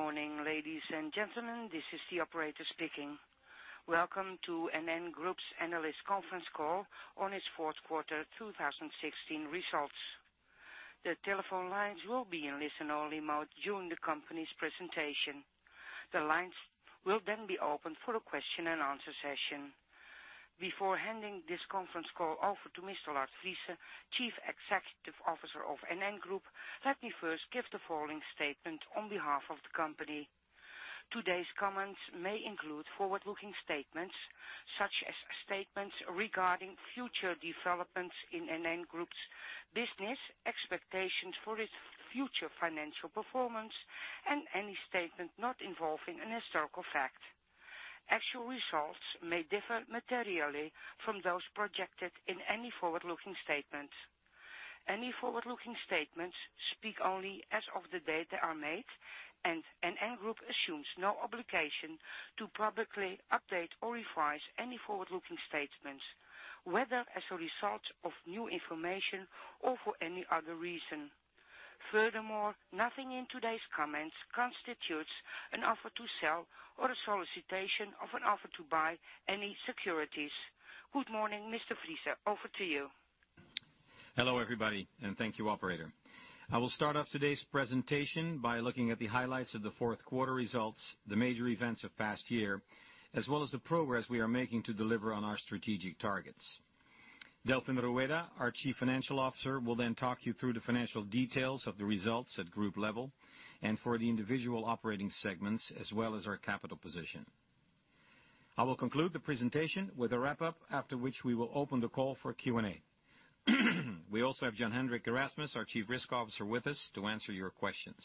Good morning, ladies and gentlemen. This is the operator speaking. Welcome to NN Group's analyst conference call on its fourth quarter 2016 results. The telephone lines will be in listen-only mode during the company's presentation. The lines will then be opened for a question and answer session. Before handing this conference call over to Mr. Lard Friese, Chief Executive Officer of NN Group, let me first give the following statement on behalf of the company. Today's comments may include forward-looking statements, such as statements regarding future developments in NN Group's business, expectations for its future financial performance, and any statement not involving an historical fact. Actual results may differ materially from those projected in any forward-looking statement. Any forward-looking statements speak only as of the day they are made, NN Group assumes no obligation to publicly update or revise any forward-looking statements, whether as a result of new information or for any other reason. Furthermore, nothing in today's comments constitutes an offer to sell or a solicitation of an offer to buy any securities. Good morning, Mr. Friese. Over to you. Hello, everybody, and thank you, operator. I will start off today's presentation by looking at the highlights of the fourth quarter results, the major events of last year, as well as the progress we are making to deliver on our strategic targets. Delfin Rueda, our Chief Financial Officer, will then talk you through the financial details of the results at group level and for the individual operating segments, as well as our capital position. I will conclude the presentation with a wrap-up, after which we will open the call for Q&A. We also have Jan-Hendrik Erasmus, our Chief Risk Officer, with us to answer your questions.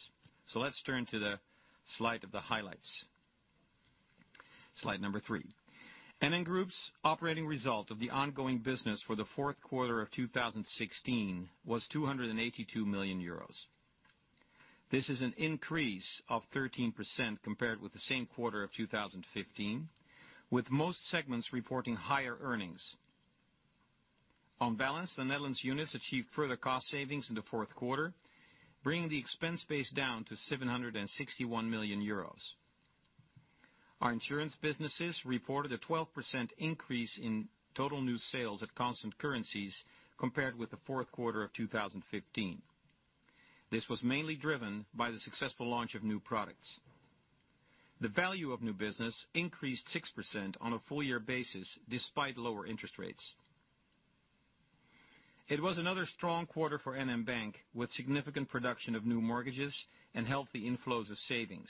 Let's turn to the slide of the highlights. Slide number three. NN Group's operating result of the ongoing business for the fourth quarter of 2016 was 282 million euros. This is an increase of 13% compared with the same quarter of 2015, with most segments reporting higher earnings. On balance, the Netherlands units achieved further cost savings in the fourth quarter, bringing the expense base down to 761 million euros. Our insurance businesses reported a 12% increase in total new sales at constant currencies compared with the fourth quarter of 2015. This was mainly driven by the successful launch of new products. The value of new business increased 6% on a full-year basis despite lower interest rates. It was another strong quarter for NN Bank, with significant production of new mortgages and healthy inflows of savings.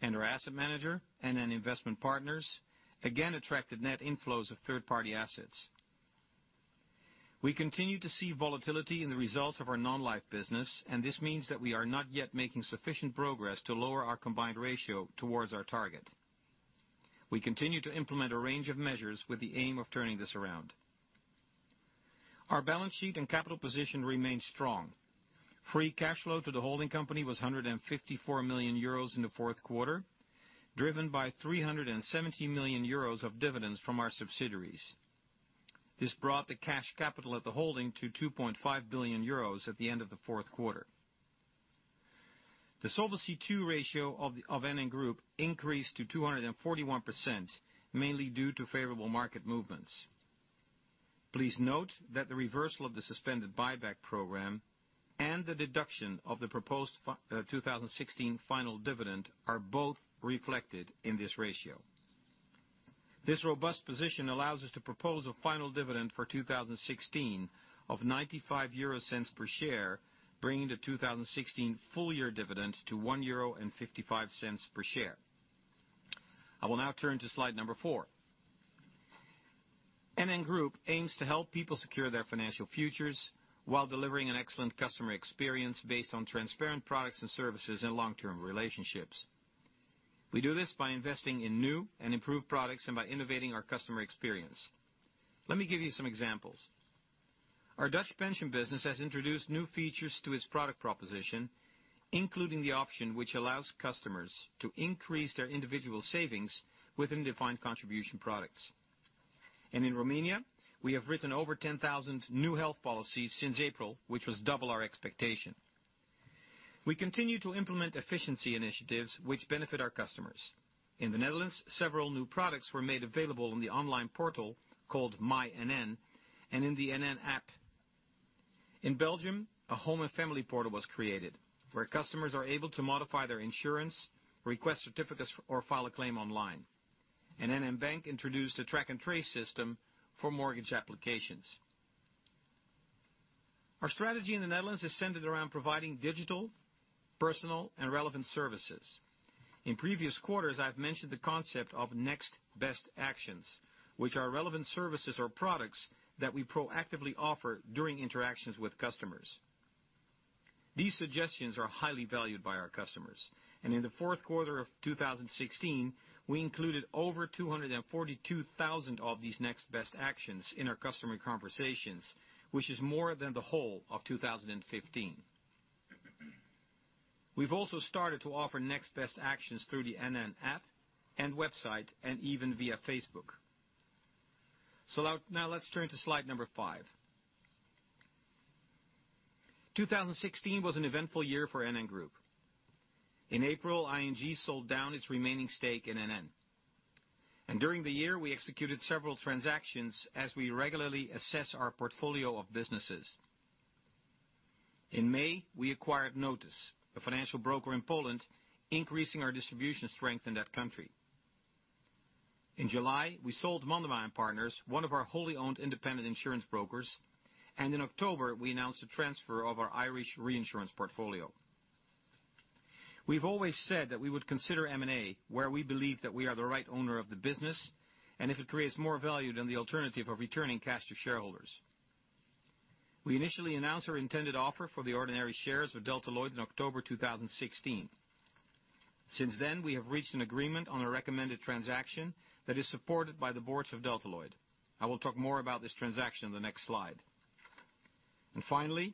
Our asset manager, NN Investment Partners, again attracted net inflows of third-party assets. We continue to see volatility in the results of our non-life business. This means that we are not yet making sufficient progress to lower our combined ratio towards our target. We continue to implement a range of measures with the aim of turning this around. Our balance sheet and capital position remain strong. Free cash flow to the holding company was 154 million euros in the fourth quarter, driven by 317 million euros of dividends from our subsidiaries. This brought the cash capital at the holding to 2.5 billion euros at the end of the fourth quarter. The Solvency II ratio of NN Group increased to 241%, mainly due to favorable market movements. Please note that the reversal of the suspended buyback program and the deduction of the proposed 2016 final dividend are both reflected in this ratio. This robust position allows us to propose a final dividend for 2016 of 0.95 per share, bringing the 2016 full-year dividend to 1.55 euro per share. I will now turn to slide number four. NN Group aims to help people secure their financial futures while delivering an excellent customer experience based on transparent products and services and long-term relationships. We do this by investing in new and improved products and by innovating our customer experience. Let me give you some examples. Our Dutch pension business has introduced new features to its product proposition, including the option which allows customers to increase their individual savings within defined contribution products. In Romania, we have written over 10,000 new health policies since April, which was double our expectation. We continue to implement efficiency initiatives which benefit our customers. In the Netherlands, several new products were made available on the online portal called My NN and in the NN app. In Belgium, a home and family portal was created where customers are able to modify their insurance, request certificates, or file a claim online. NN Bank introduced a track and trace system for mortgage applications. Our strategy in the Netherlands is centered around providing digital, personal, and relevant services. In previous quarters, I've mentioned the concept of Next Best Action, which are relevant services or products that we proactively offer during interactions with customers. These suggestions are highly valued by our customers. In the fourth quarter of 2016, we included over 242,000 of these Next Best Action in our customer conversations, which is more than the whole of 2015. We've also started to offer Next Best Action through the NN app and website. Even via Facebook. Now let's turn to slide number five. 2016 was an eventful year for NN Group. In April, ING sold down its remaining stake in NN. During the year, we executed several transactions as we regularly assess our portfolio of businesses. In May, we acquired Notos, a financial broker in Poland, increasing our distribution strength in that country. In July, we sold Mandema & Partners, one of our wholly owned independent insurance brokers. In October, we announced the transfer of our Irish reinsurance portfolio. We've always said that we would consider M&A where we believe that we are the right owner of the business, and if it creates more value than the alternative of returning cash to shareholders. We initially announced our intended offer for the ordinary shares of Delta Lloyd in October 2016. Since then, we have reached an agreement on a recommended transaction that is supported by the boards of Delta Lloyd. I will talk more about this transaction in the next slide. Finally,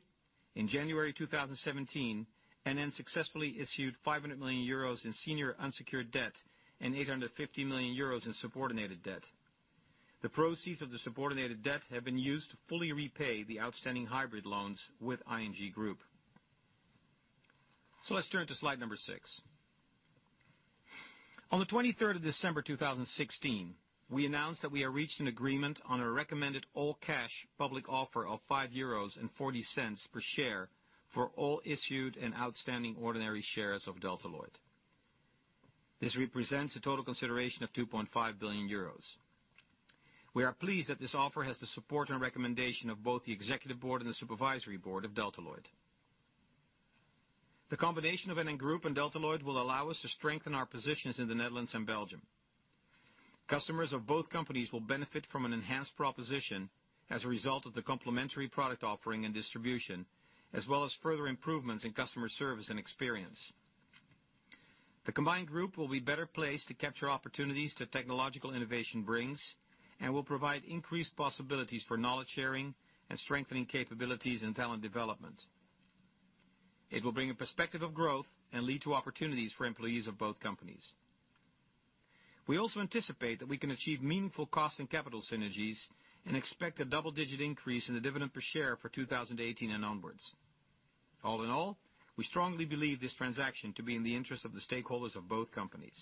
in January 2017, NN successfully issued 500 million euros in senior unsecured debt and 850 million euros in subordinated debt. The proceeds of the subordinated debt have been used to fully repay the outstanding hybrid loans with ING Group. Let's turn to slide number six. On the 23rd of December 2016, we announced that we are reached an agreement on a recommended all cash public offer of 5.40 euros per share for all issued and outstanding ordinary shares of Delta Lloyd. This represents a total consideration of 2.5 billion euros. We are pleased that this offer has the support and recommendation of both the executive board and the supervisory board of Delta Lloyd. The combination of NN Group and Delta Lloyd will allow us to strengthen our positions in the Netherlands and Belgium. Customers of both companies will benefit from an enhanced proposition as a result of the complementary product offering and distribution, as well as further improvements in customer service and experience. The combined group will be better placed to capture opportunities that technological innovation brings, and will provide increased possibilities for knowledge sharing and strengthening capabilities in talent development. It will bring a perspective of growth and lead to opportunities for employees of both companies. We also anticipate that we can achieve meaningful cost and capital synergies, and expect a double-digit increase in the dividend per share for 2018 and onwards. All in all, we strongly believe this transaction to be in the interest of the stakeholders of both companies.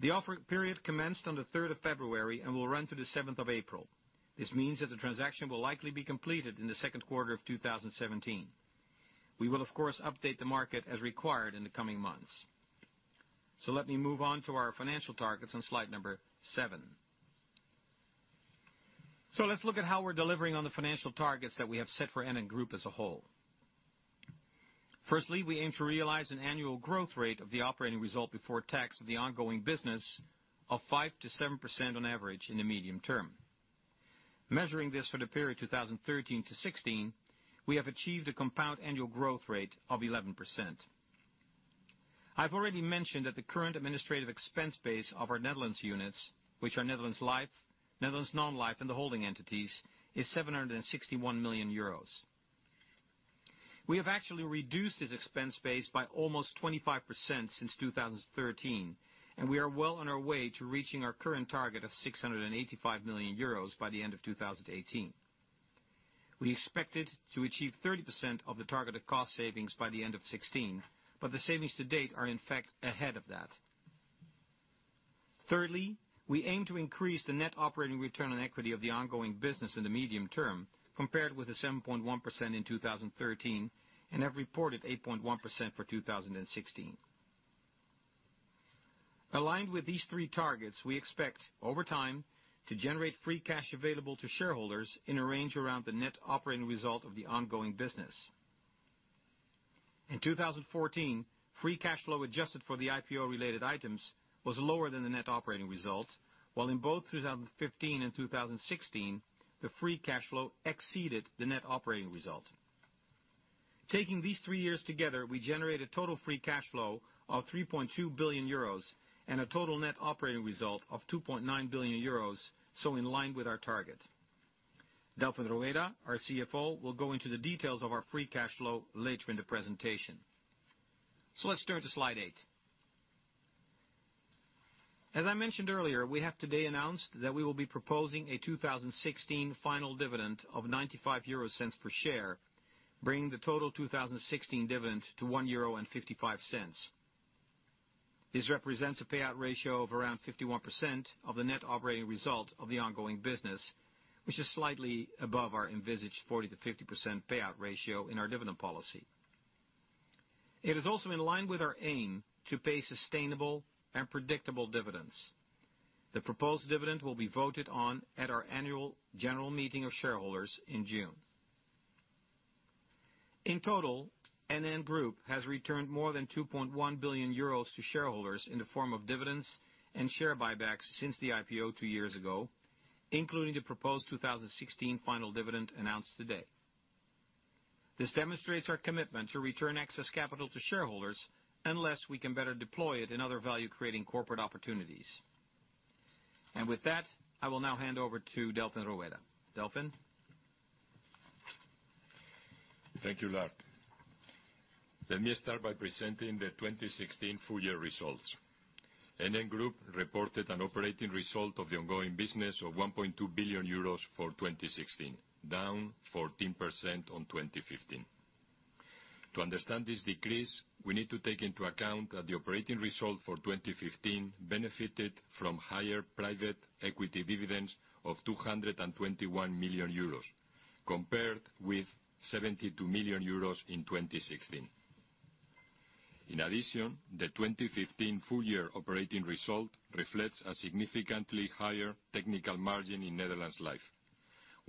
The offer period commenced on the 3rd of February and will run to the 7th of April. This means that the transaction will likely be completed in the second quarter of 2017. We will, of course, update the market as required in the coming months. Let me move on to our financial targets on slide number seven. Let's look at how we're delivering on the financial targets that we have set for NN Group as a whole. Firstly, we aim to realize an annual growth rate of the operating result before tax of the ongoing business of 5%-7% on average in the medium term. Measuring this for the period 2013 to 2016, we have achieved a compound annual growth rate of 11%. I've already mentioned that the current administrative expense base of our Netherlands units, which are Netherlands Life, Netherlands Non-life, and the holding entities, is 761 million euros. We have actually reduced this expense base by almost 25% since 2013, and we are well on our way to reaching our current target of 685 million euros by the end of 2018. We expected to achieve 30% of the targeted cost savings by the end of 2016, but the savings to date are in fact ahead of that. Thirdly, we aim to increase the net operating return on equity of the ongoing business in the medium term compared with the 7.1% in 2013 and have reported 8.1% for 2016. Aligned with these three targets, we expect, over time, to generate free cash available to shareholders in a range around the net operating result of the ongoing business. In 2014, free cash flow adjusted for the IPO related items was lower than the net operating result, while in both 2015 and 2016, the free cash flow exceeded the net operating result. Taking these three years together, we generated total free cash flow of 3.2 billion euros and a total net operating result of 2.9 billion euros. In line with our target, Delfin Rueda, our CFO, will go into the details of our free cash flow later in the presentation. Let's turn to slide eight. As I mentioned earlier, we have today announced that we will be proposing a 2016 final dividend of 0.95 per share, bringing the total 2016 dividend to 1.55 euro. This represents a payout ratio of around 51% of the net operating result of the ongoing business, which is slightly above our envisaged 40%-50% payout ratio in our dividend policy. It is also in line with our aim to pay sustainable and predictable dividends. The proposed dividend will be voted on at our annual general meeting of shareholders in June. In total, NN Group has returned more than 2.1 billion euros to shareholders in the form of dividends and share buybacks since the IPO two years ago, including the proposed 2016 final dividend announced today. This demonstrates our commitment to return excess capital to shareholders unless we can better deploy it in other value-creating corporate opportunities. With that, I will now hand over to Delfin Rueda. Delfin? Thank you, Lard. Let me start by presenting the 2016 full year results. NN Group reported an operating result of the ongoing business of 1.2 billion euros for 2016, down 14% on 2015. To understand this decrease, we need to take into account that the operating result for 2015 benefited from higher private equity dividends of 221 million euros, compared with 72 million euros in 2016. In addition, the 2015 full year operating result reflects a significantly higher technical margin in Netherlands Life,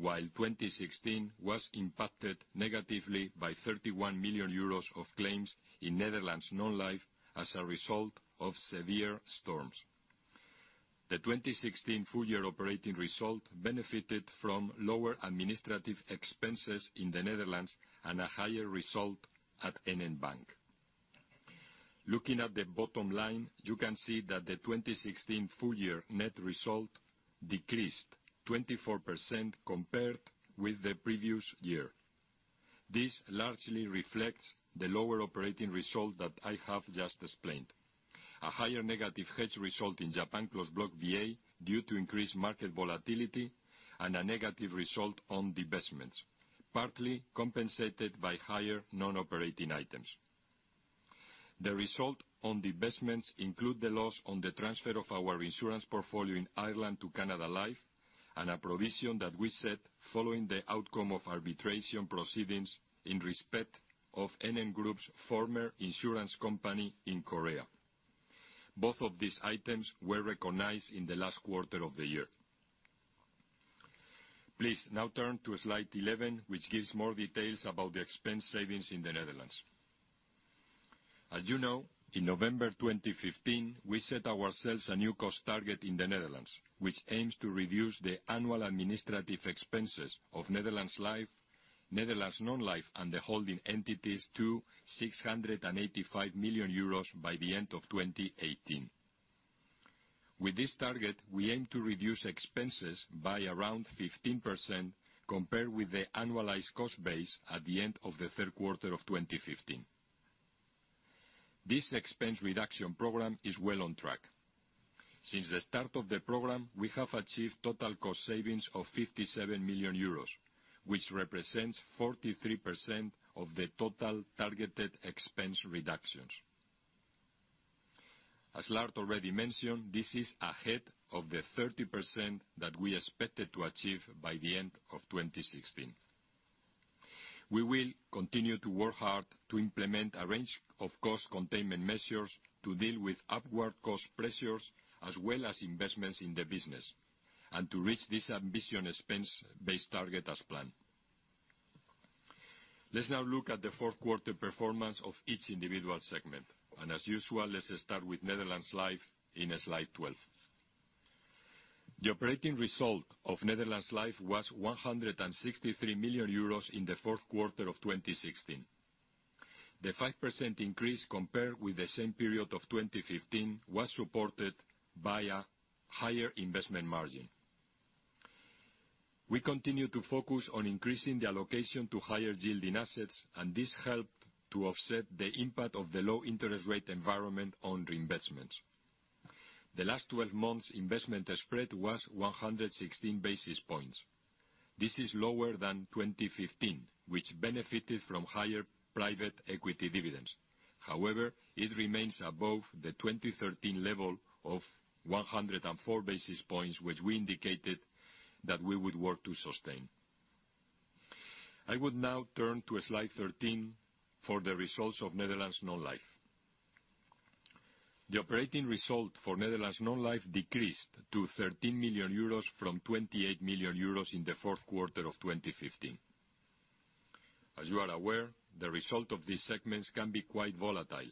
while 2016 was impacted negatively by 31 million euros of claims in Netherlands Non-life as a result of severe storms. The 2016 full year operating result benefited from lower administrative expenses in the Netherlands and a higher result at NN Bank. Looking at the bottom line, you can see that the 2016 full year net result decreased 24% compared with the previous year. This largely reflects the lower operating result that I have just explained. A higher negative hedge result in Japan Closed Block VA, due to increased market volatility, and a negative result on divestments, partly compensated by higher non-operating items. The result on divestments include the loss on the transfer of our insurance portfolio in Ireland to Canada Life, and a provision that we set following the outcome of arbitration proceedings in respect of NN Group's former insurance company in Korea. Both of these items were recognized in the last quarter of the year. Please now turn to slide 11, which gives more details about the expense savings in the Netherlands. As you know, in November 2015, we set ourselves a new cost target in the Netherlands, which aims to reduce the annual administrative expenses of Netherlands Life, Netherlands Non-life, and the holding entities to 685 million euros by the end of 2018. With this target, we aim to reduce expenses by around 15%, compared with the annualized cost base at the end of the third quarter of 2015. This expense reduction program is well on track. Since the start of the program, we have achieved total cost savings of 57 million euros, which represents 43% of the total targeted expense reductions. As Lard already mentioned, this is ahead of the 30% that we expected to achieve by the end of 2016. We will continue to work hard to implement a range of cost containment measures to deal with upward cost pressures, as well as investments in the business, to reach this ambitious expense base target as planned. Let's now look at the fourth quarter performance of each individual segment. As usual, let's start with Netherlands Life in slide 12. The operating result of Netherlands Life was 163 million euros in the fourth quarter of 2016. The 5% increase compared with the same period of 2015 was supported by a higher investment margin. We continue to focus on increasing the allocation to higher yielding assets, and this helped to offset the impact of the low interest rate environment on reinvestments. The last 12 months investment spread was 116 basis points. This is lower than 2015, which benefited from higher private equity dividends. However, it remains above the 2013 level of 104 basis points, which we indicated that we would work to sustain. I would now turn to slide 13 for the results of Netherlands Non-life. The operating result for Netherlands Non-life decreased to 13 million euros from 28 million euros in the fourth quarter of 2015. As you are aware, the result of these segments can be quite volatile,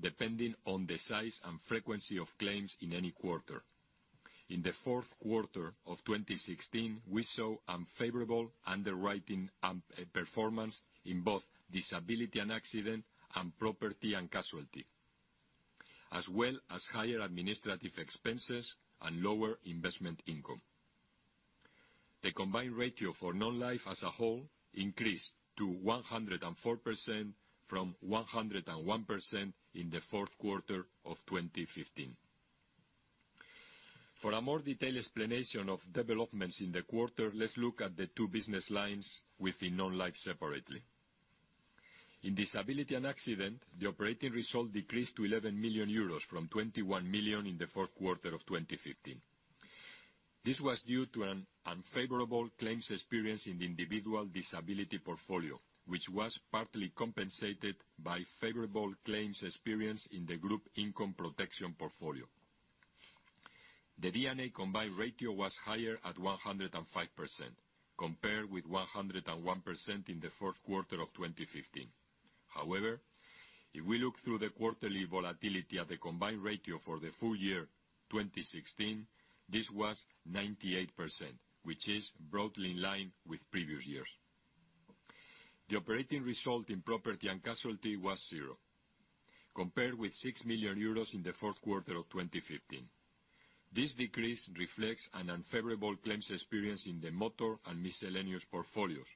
depending on the size and frequency of claims in any quarter. In the fourth quarter of 2016, we saw unfavorable underwriting performance in both disability and accident, and property and casualty, as well as higher administrative expenses and lower investment income. The combined ratio for Non-life as a whole increased to 104% from 101% in the fourth quarter of 2015. For a more detailed explanation of developments in the quarter, let's look at the two business lines within Non-life separately. In disability and accident, the operating result decreased to 11 million euros from 21 million in the fourth quarter of 2015. This was due to an unfavorable claims experience in the individual disability portfolio, which was partly compensated by favorable claims experience in the group income protection portfolio. The DAC combined ratio was higher at 105%, compared with 101% in the fourth quarter of 2015. However, if we look through the quarterly volatility at the combined ratio for the full year 2016, this was 98%, which is broadly in line with previous years. The operating result in property and casualty was zero, compared with 6 million euros in the fourth quarter of 2015. This decrease reflects an unfavorable claims experience in the motor and miscellaneous portfolios,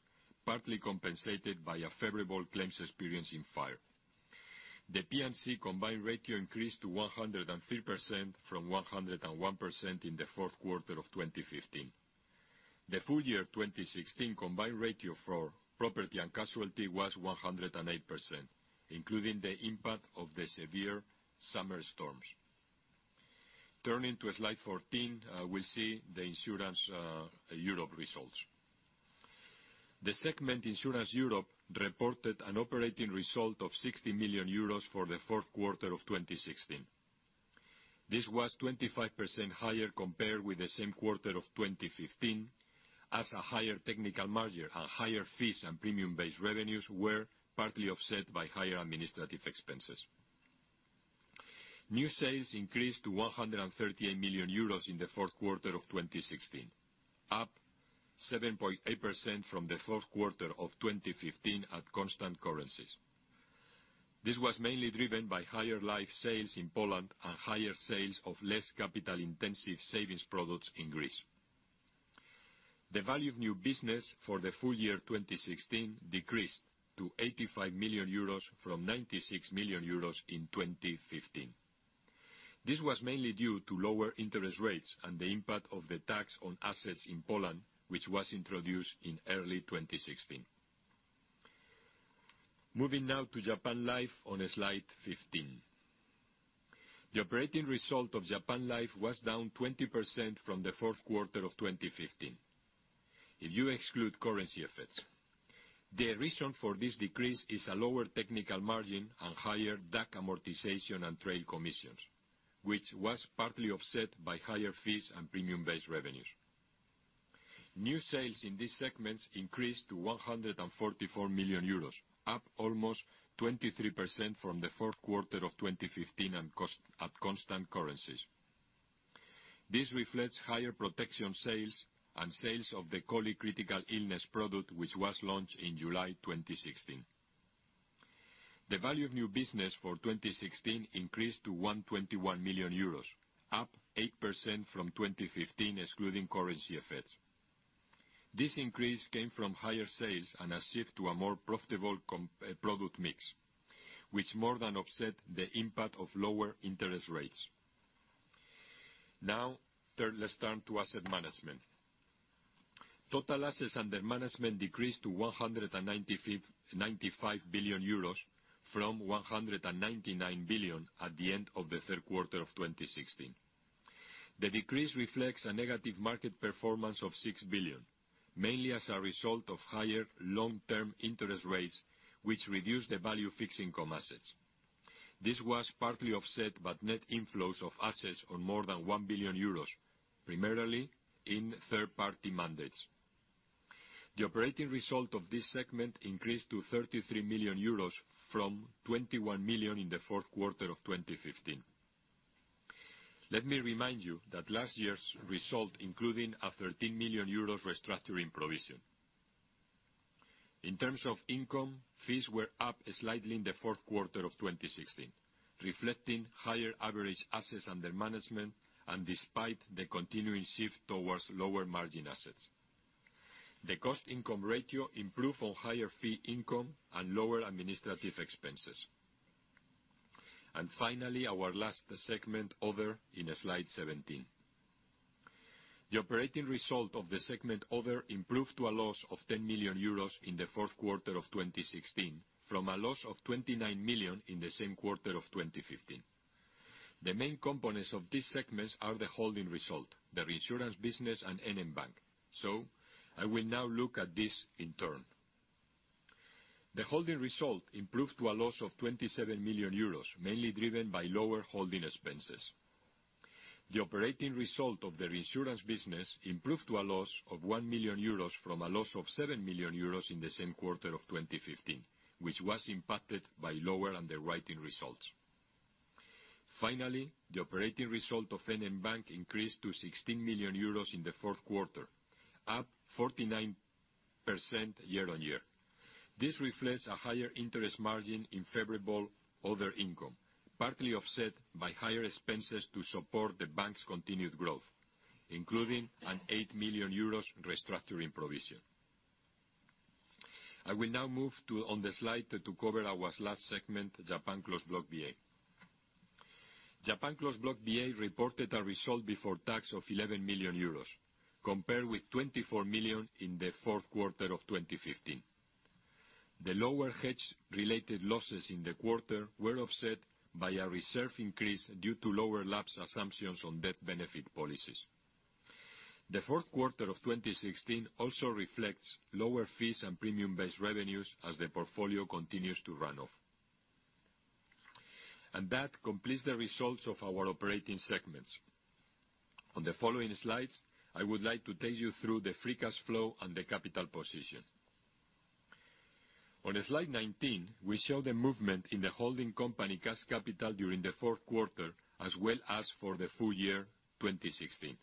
partly compensated by a favorable claims experience in fire. The P&C combined ratio increased to 103% from 101% in the fourth quarter of 2015. The full year 2016 combined ratio for property and casualty was 108%, including the impact of the severe summer storms. Turning to slide 14, we'll see the Insurance Europe results. The segment Insurance Europe reported an operating result of €60 million for the fourth quarter of 2016. This was 25% higher compared with the same quarter of 2015, as a higher technical margin and higher fees and premium-based revenues were partly offset by higher administrative expenses. New sales increased to €138 million in the fourth quarter of 2016, up 7.8% from the fourth quarter of 2015 at constant currencies. This was mainly driven by higher life sales in Poland and higher sales of less capital-intensive savings products in Greece. The value of new business for the full year 2016 decreased to €85 million from €96 million in 2015. This was mainly due to lower interest rates and the impact of the tax on assets in Poland, which was introduced in early 2016. Moving now to Japan Life on slide 15. The operating result of Japan Life was down 20% from the fourth quarter of 2015 if you exclude currency effects. The reason for this decrease is a lower technical margin and higher DAC amortization and trade commissions, which was partly offset by higher fees and premium-based revenues. New sales in this segment increased to €144 million, up almost 23% from the fourth quarter of 2015 at constant currencies. This reflects higher protection sales and sales of the COLI critical illness product, which was launched in July 2016. The value of new business for 2016 increased to €121 million, up 8% from 2015, excluding currency effects. This increase came from higher sales and a shift to a more profitable product mix, which more than offset the impact of lower interest rates. Let's turn to asset management. Total assets under management decreased to €195 billion from €199 billion at the end of the third quarter of 2016. The decrease reflects a negative market performance of €6 billion, mainly as a result of higher long-term interest rates, which reduced the value of fixed income assets. This was partly offset by net inflows of assets on more than €1 billion, primarily in third-party mandates. The operating result of this segment increased to €33 million from €21 million in the fourth quarter of 2015. Let me remind you that last year's result including a €13 million restructuring provision. In terms of income, fees were up slightly in the fourth quarter of 2016, reflecting higher average assets under management and despite the continuing shift towards lower margin assets. The cost-income ratio improved on higher fee income and lower administrative expenses. Finally, our last segment, Other, in slide 17. The operating result of the segment Other improved to a loss of €10 million in the fourth quarter of 2016 from a loss of €29 million in the same quarter of 2015. The main components of this segment are the holding result, the reinsurance business, and NN Bank. I will now look at this in turn. The holding result improved to a loss of €27 million, mainly driven by lower holding expenses. The operating result of the reinsurance business improved to a loss of 1 million euros from a loss of 7 million euros in the same quarter of 2015, which was impacted by lower underwriting results. Finally, the operating result of NN Bank increased to 16 million euros in the fourth quarter, up 49% year-on-year. This reflects a higher interest margin in favorable other income, partly offset by higher expenses to support the bank's continued growth, including an 8 million euros restructuring provision. I will now move on the slide to cover our last segment, Japan Closed Block VA. Japan Closed Block VA reported a result before tax of 11 million euros, compared with 24 million in the fourth quarter of 2015. The lower hedge-related losses in the quarter were offset by a reserve increase due to lower lapse assumptions on death benefit policies. The fourth quarter of 2016 also reflects lower fees and premium-based revenues as the portfolio continues to run off. That completes the results of our operating segments. On the following slides, I would like to take you through the free cash flow and the capital position. On slide 19, we show the movement in the holding company cash capital during the fourth quarter as well as for the full year 2016.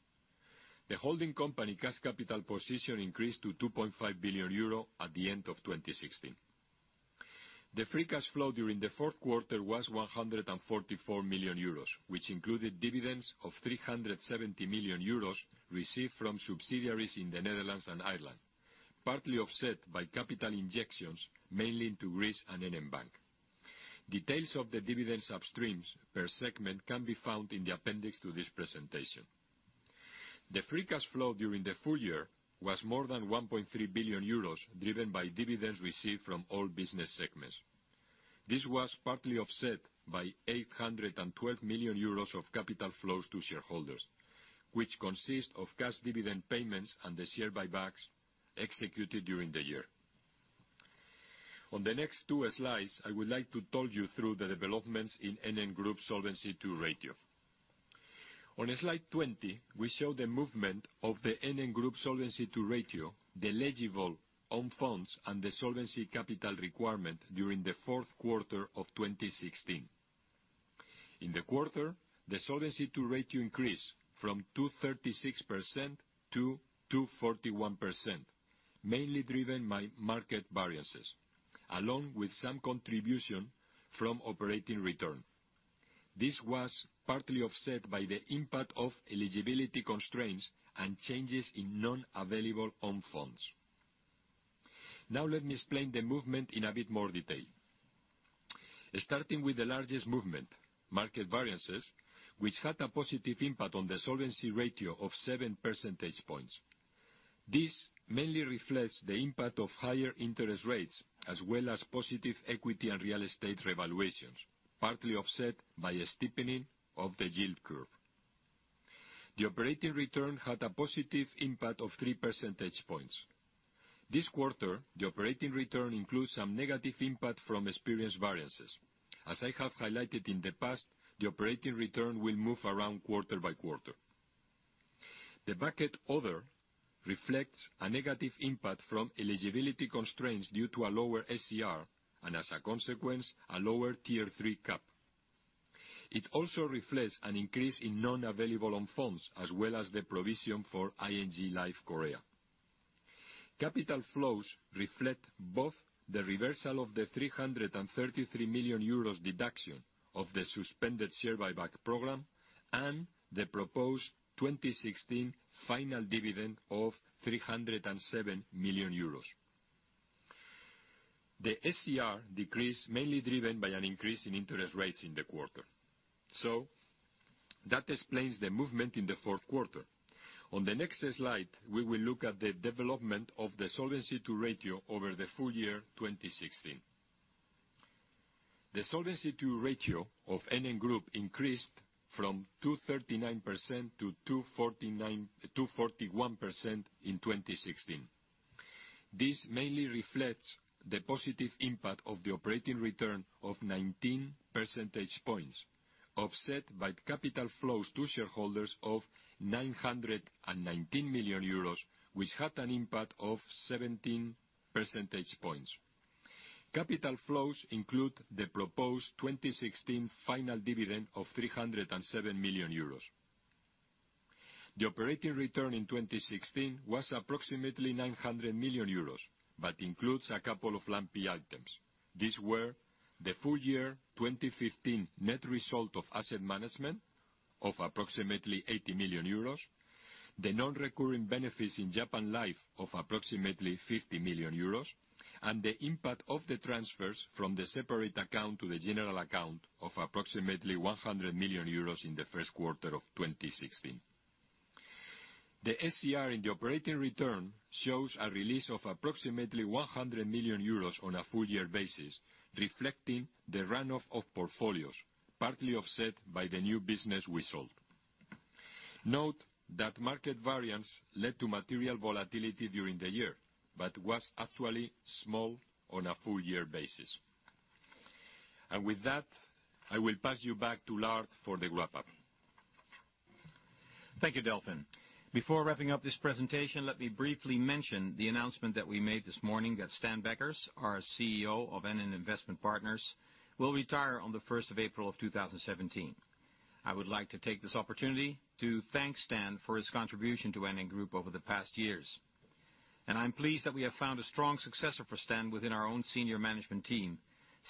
The holding company cash capital position increased to 2.5 billion euro at the end of 2016. The free cash flow during the fourth quarter was 144 million euros, which included dividends of 370 million euros received from subsidiaries in the Netherlands and Ireland, partly offset by capital injections, mainly to Greece and NN Bank. Details of the dividend substreams per segment can be found in the appendix to this presentation. The free cash flow during the full year was more than 1.3 billion euros, driven by dividends received from all business segments. This was partly offset by 812 million euros of capital flows to shareholders, which consist of cash dividend payments and the share buybacks executed during the year. On the next two slides, I would like to talk you through the developments in NN Group Solvency II ratio. On slide 20, we show the movement of the NN Group Solvency II ratio, the eligible own funds, and the solvency capital requirement during the fourth quarter of 2016. In the quarter, the Solvency II ratio increased from 236% to 241%, mainly driven by market variances, along with some contribution from operating return. This was partly offset by the impact of eligibility constraints and changes in non-available own funds. Now let me explain the movement in a bit more detail. Starting with the largest movement, market variances, which had a positive impact on the solvency ratio of seven percentage points. This mainly reflects the impact of higher interest rates, as well as positive equity and real estate revaluations, partly offset by a steepening of the yield curve. The operating return had a positive impact of three percentage points. This quarter, the operating return includes some negative impact from experience variances. As I have highlighted in the past, the operating return will move around quarter-by-quarter. The bracket other reflects a negative impact from eligibility constraints due to a lower SCR and, as a consequence, a lower Tier 3 cap. It also reflects an increase in non-available own funds, as well as the provision for ING Life Korea. Capital flows reflect both the reversal of the 333 million euros deduction of the suspended share buyback program and the proposed 2016 final dividend of 307 million euros. The SCR decreased, mainly driven by an increase in interest rates in the quarter. That explains the movement in the fourth quarter. On the next slide, we will look at the development of the Solvency II ratio over the full year 2016. The Solvency II ratio of NN Group increased from 239% to 241% in 2016. This mainly reflects the positive impact of the operating return of 19 percentage points, offset by capital flows to shareholders of 919 million euros, which had an impact of 17 percentage points. Capital flows include the proposed 2016 final dividend of 307 million euros. The operating return in 2016 was approximately 900 million euros but includes a couple of lumpy items. These were the full year 2015 net result of asset management of approximately 80 million euros, the non-recurring benefits in Japan Life of approximately 50 million euros, and the impact of the transfers from the separate account to the general account of approximately 100 million euros in the first quarter of 2016. The SCR in the operating return shows a release of approximately 100 million euros on a full year basis, reflecting the run-off of portfolios, partly offset by the new business we sold. Note that market variance led to material volatility during the year but was actually small on a full year basis. With that, I will pass you back to Lars for the wrap-up. Thank you, Delfin. Before wrapping up this presentation, let me briefly mention the announcement that we made this morning that Stan Beckers, our CEO of NN Investment Partners, will retire on the 1st of April of 2017. I would like to take this opportunity to thank Stan for his contribution to NN Group over the past years. I am pleased that we have found a strong successor for Stan within our own senior management team.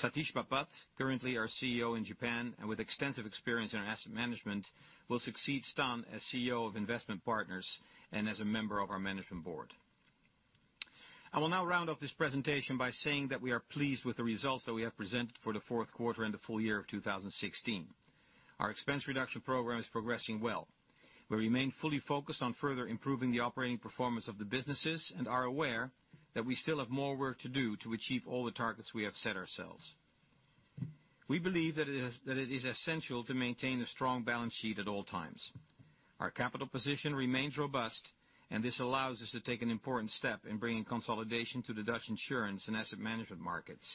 Satish Bapat, currently our CEO in Japan and with extensive experience in asset management, will succeed Stan as CEO of Investment Partners and as a member of our management board. I will now round off this presentation by saying that we are pleased with the results that we have presented for the fourth quarter and the full year of 2016. Our expense reduction program is progressing well. We remain fully focused on further improving the operating performance of the businesses and are aware that we still have more work to do to achieve all the targets we have set ourselves. We believe that it is essential to maintain a strong balance sheet at all times. Our capital position remains robust, and this allows us to take an important step in bringing consolidation to the Dutch insurance and asset management markets.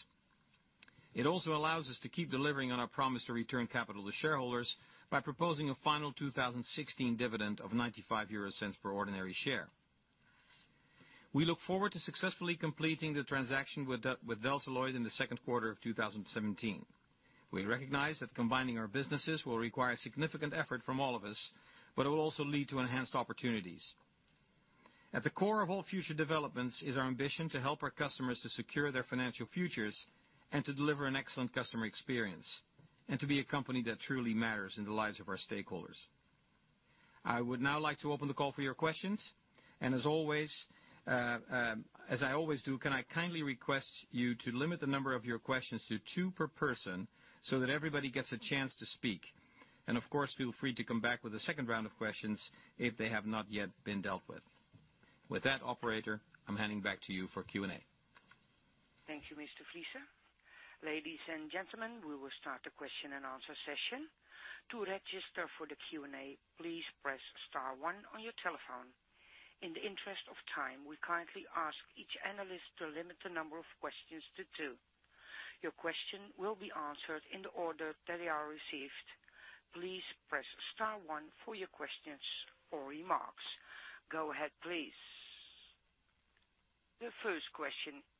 It also allows us to keep delivering on our promise to return capital to shareholders by proposing a final 2016 dividend of 0.95 per ordinary share. We look forward to successfully completing the transaction with Delta Lloyd in the second quarter of 2017. We recognize that combining our businesses will require significant effort from all of us, but it will also lead to enhanced opportunities. At the core of all future developments is our ambition to help our customers to secure their financial futures and to deliver an excellent customer experience, and to be a company that truly matters in the lives of our stakeholders. I would now like to open the call for your questions. As I always do, can I kindly request you to limit the number of your questions to two per person so that everybody gets a chance to speak. Of course, feel free to come back with a second round of questions if they have not yet been dealt with. With that, operator, I'm handing back to you for Q&A. Thank you, Mr. Friese. Ladies and gentlemen, we will start the question and answer session. To register for the Q&A, please press star one on your telephone. In the interest of time, we kindly ask each analyst to limit the number of questions to two. Your question will be answered in the order that they are received. Please press star one for your questions or remarks. Go ahead, please. The first question is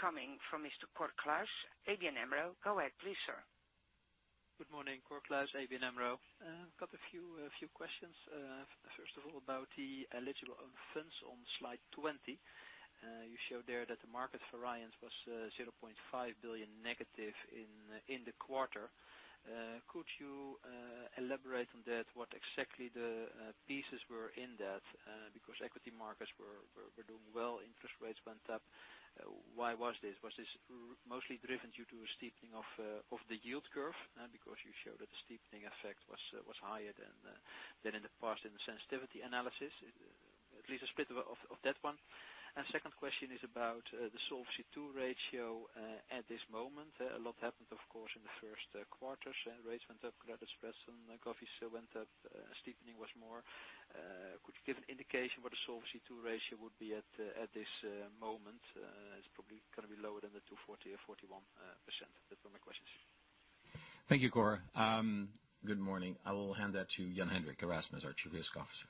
coming from Mr. Cor Kluis, ABN AMRO. Go ahead please, sir. Good morning. Cor Kluis, ABN AMRO. Got a few questions. First of all, about the eligible own funds on slide 20. You showed there that the market variance was 0.5 billion negative in the quarter. Could you elaborate on that? What exactly the pieces were in that, because equity markets were doing well, interest rates went up. Why was this? Was this mostly driven due to a steepening of the yield curve? Because you showed that the steepening effect was higher than in the past in the sensitivity analysis, at least a split of that one. Second question is about the Solvency II ratio at this moment. A lot happened, of course, in the first quarters, rates went up, credit spreads and volatility went up, steepening was more. Could you give an indication what the Solvency II ratio would be at this moment? It's probably going to be lower than the 240% or 41%. Those are my questions. Thank you, Cor. Good morning. I will hand that to Jan-Hendrik Erasmus, our Chief Risk Officer.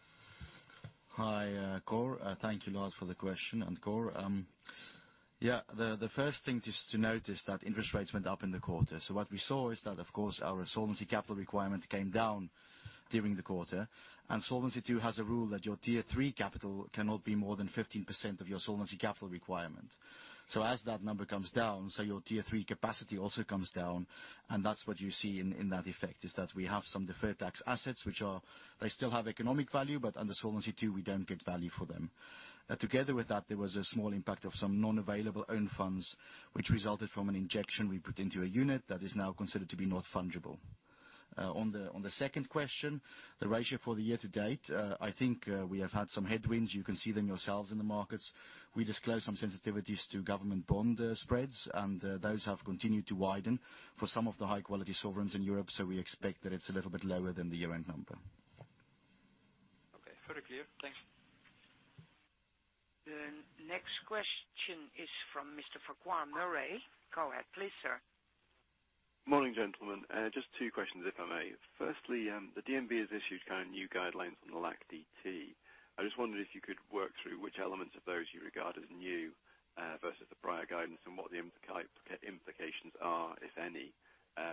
Hi, Cor. Thank you a lot for the question. Cor, the first thing is to notice that interest rates went up in the quarter. What we saw is that, of course, our solvency capital requirement came down during the quarter, and Solvency II has a rule that your Tier 3 capital cannot be more than 15% of your solvency capital requirement. As that number comes down, your Tier 3 capacity also comes down, and that's what you see in that effect, is that we have some deferred tax assets, they still have economic value, but under Solvency II, we don't get value for them. Together with that, there was a small impact of some non-available own funds, which resulted from an injection we put into a unit that is now considered to be not fungible. On the second question, the ratio for the year to date, I think we have had some headwinds. You can see them yourselves in the markets. We disclosed some sensitivities to government bond spreads, and those have continued to widen for some of the high-quality sovereigns in Europe. We expect that it's a little bit lower than the year-end number. Okay. Very clear. Thanks. The next question is from Mr. Farquhar Murray. Go ahead please, sir. Morning, gentlemen. Just two questions, if I may. Firstly, the DNB has issued new guidelines on the LAC-DT. I just wondered if you could work through which elements of those you regard as new versus the prior guidance and what the implications are, if any,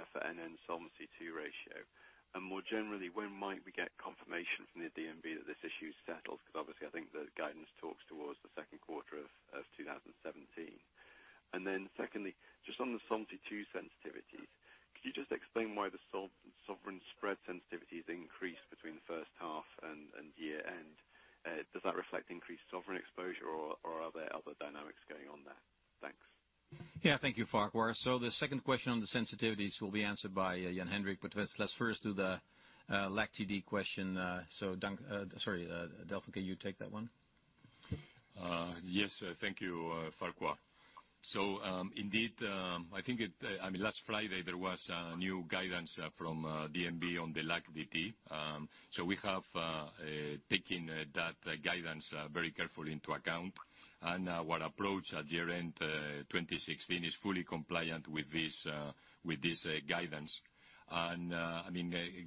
for NN Solvency II ratio. More generally, when might we get confirmation from the DNB that this issue is settled? Because obviously I think the guidance talks towards the second quarter of 2017. Secondly, just on the Solvency II sensitivities, could you just explain why the sovereign spread sensitivities increased between the first half and year end? Does that reflect increased sovereign exposure or are there other dynamics going on there? Thanks. Thank you, Farquhar. The second question on the sensitivities will be answered by Jan-Hendrik. Let's first do the LAC-DT question. Sorry, Delfin, can you take that one? Yes. Thank you, Farquhar. Indeed, last Friday, there was a new guidance from DNB on the LAC-DT. We have taken that guidance very carefully into account. Our approach at year-end 2016 is fully compliant with this guidance.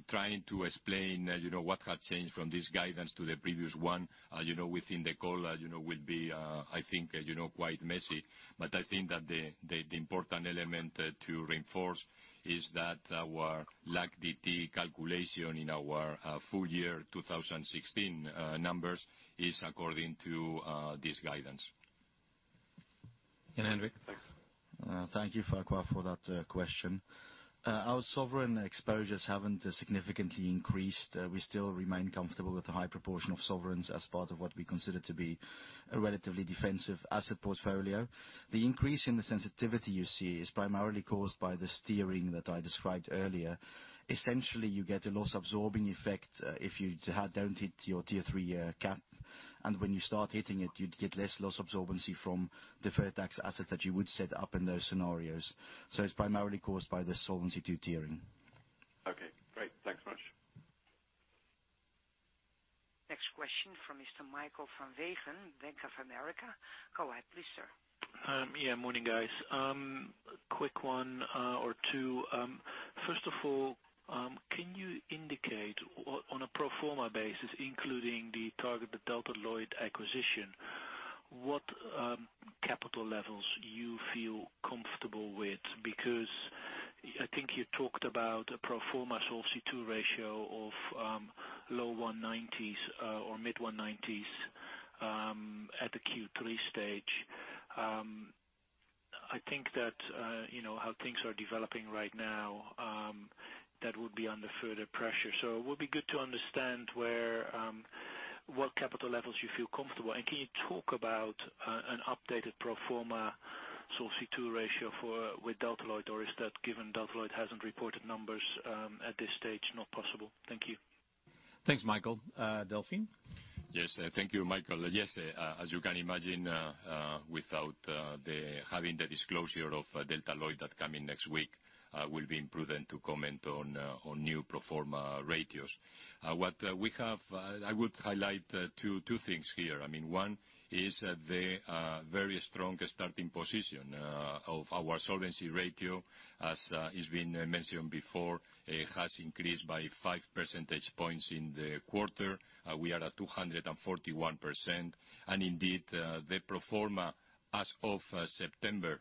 Trying to explain what had changed from this guidance to the previous one within the call would be, I think, quite messy. I think that the important element to reinforce is that our LAC-DT calculation in our full year 2016 numbers is according to this guidance. Jan-Hendrik. Thank you, Farquhar, for that question. Our sovereign exposures haven't significantly increased. We still remain comfortable with the high proportion of sovereigns as part of what we consider to be a relatively defensive asset portfolio. The increase in the sensitivity you see is primarily caused by the steering that I described earlier. Essentially, you get a loss-absorbing effect if you don't hit your Tier 3 cap. When you start hitting it, you'd get less loss absorbency from deferred tax assets that you would set up in those scenarios. It's primarily caused by the Solvency II tiering. Okay, great. Thanks much. Next question from Mr. Michael van Weegen, Bank of America. Go ahead, please, sir. Yeah. Morning, guys. Quick one or two. First of all, can you indicate on a pro forma basis, including the target, the Delta Lloyd acquisition, what capital levels you feel comfortable with? I think you talked about a pro forma Solvency II ratio of low 190s or mid 190s at the Q3 stage. I think that how things are developing right now, that would be under further pressure. It would be good to understand what capital levels you feel comfortable. Can you talk about an updated pro forma Solvency II ratio with Delta Lloyd or is that, given Delta Lloyd hasn't reported numbers at this stage, not possible? Thank you. Thanks, Michael. Delfin? Yes. Thank you, Michael. Yes. As you can imagine, without having the disclosure of Delta Lloyd that coming next week, will be imprudent to comment on new pro forma ratios. I would highlight two things here. One is the very strong starting position of our solvency ratio, as it's been mentioned before, it has increased by five percentage points in the quarter. We are at 241%. Indeed, the pro forma as of September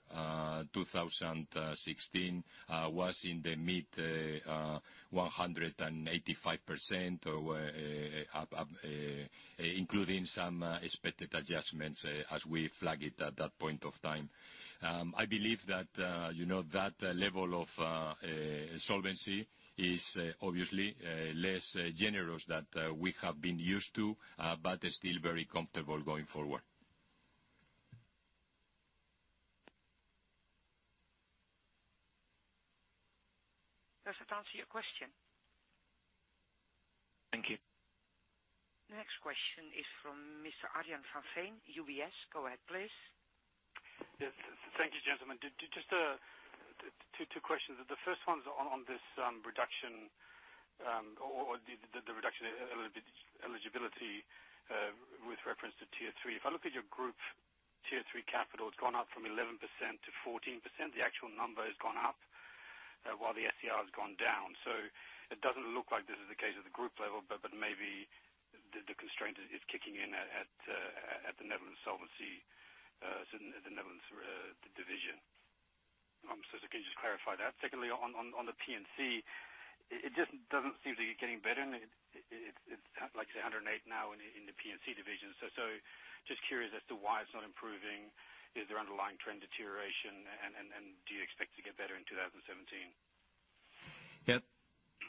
2016 was in the mid 185% including some expected adjustments as we flag it at that point of time. I believe that level of solvency is obviously less generous that we have been used to, but still very comfortable going forward. Does that answer your question? Thank you. Next question is from Mr. Arjan van Veen, UBS. Go ahead, please. Yes. Thank you, gentlemen. Just two questions. The first one's on this reduction eligibility with reference to Tier 3. If I look at your Group Tier 3 capital, it's gone up from 11% to 14%. The actual number has gone up while the SCR has gone down. It doesn't look like this is the case at the Group level, but maybe the constraint is kicking in at the Netherlands solvency at the Netherlands division. Can you just clarify that? Secondly, on the P&C, it just doesn't seem to be getting better. It's like 108 now in the P&C division. Just curious as to why it's not improving. Is there underlying trend deterioration, and do you expect to get better in 2017? Yeah.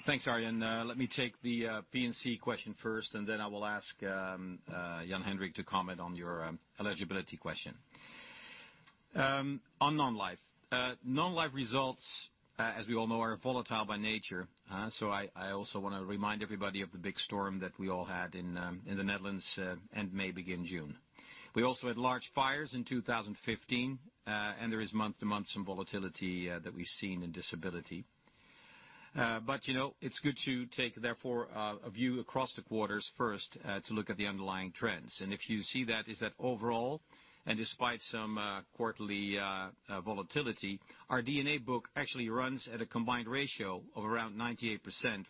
Thanks, Arjan. Let me take the P&C question first, then I will ask Jan-Hendrik to comment on your eligibility question. On non-life. Non-life results, as we all know, are volatile by nature. I also want to remind everybody of the big storm that we all had in the Netherlands, end May, begin June. We also had large fires in 2015. There is month-to-month some volatility that we've seen in disability. It's good to take, therefore, a view across the quarters first to look at the underlying trends. If you see that, is that overall, and despite some quarterly volatility, our DAC book actually runs at a combined ratio of around 98%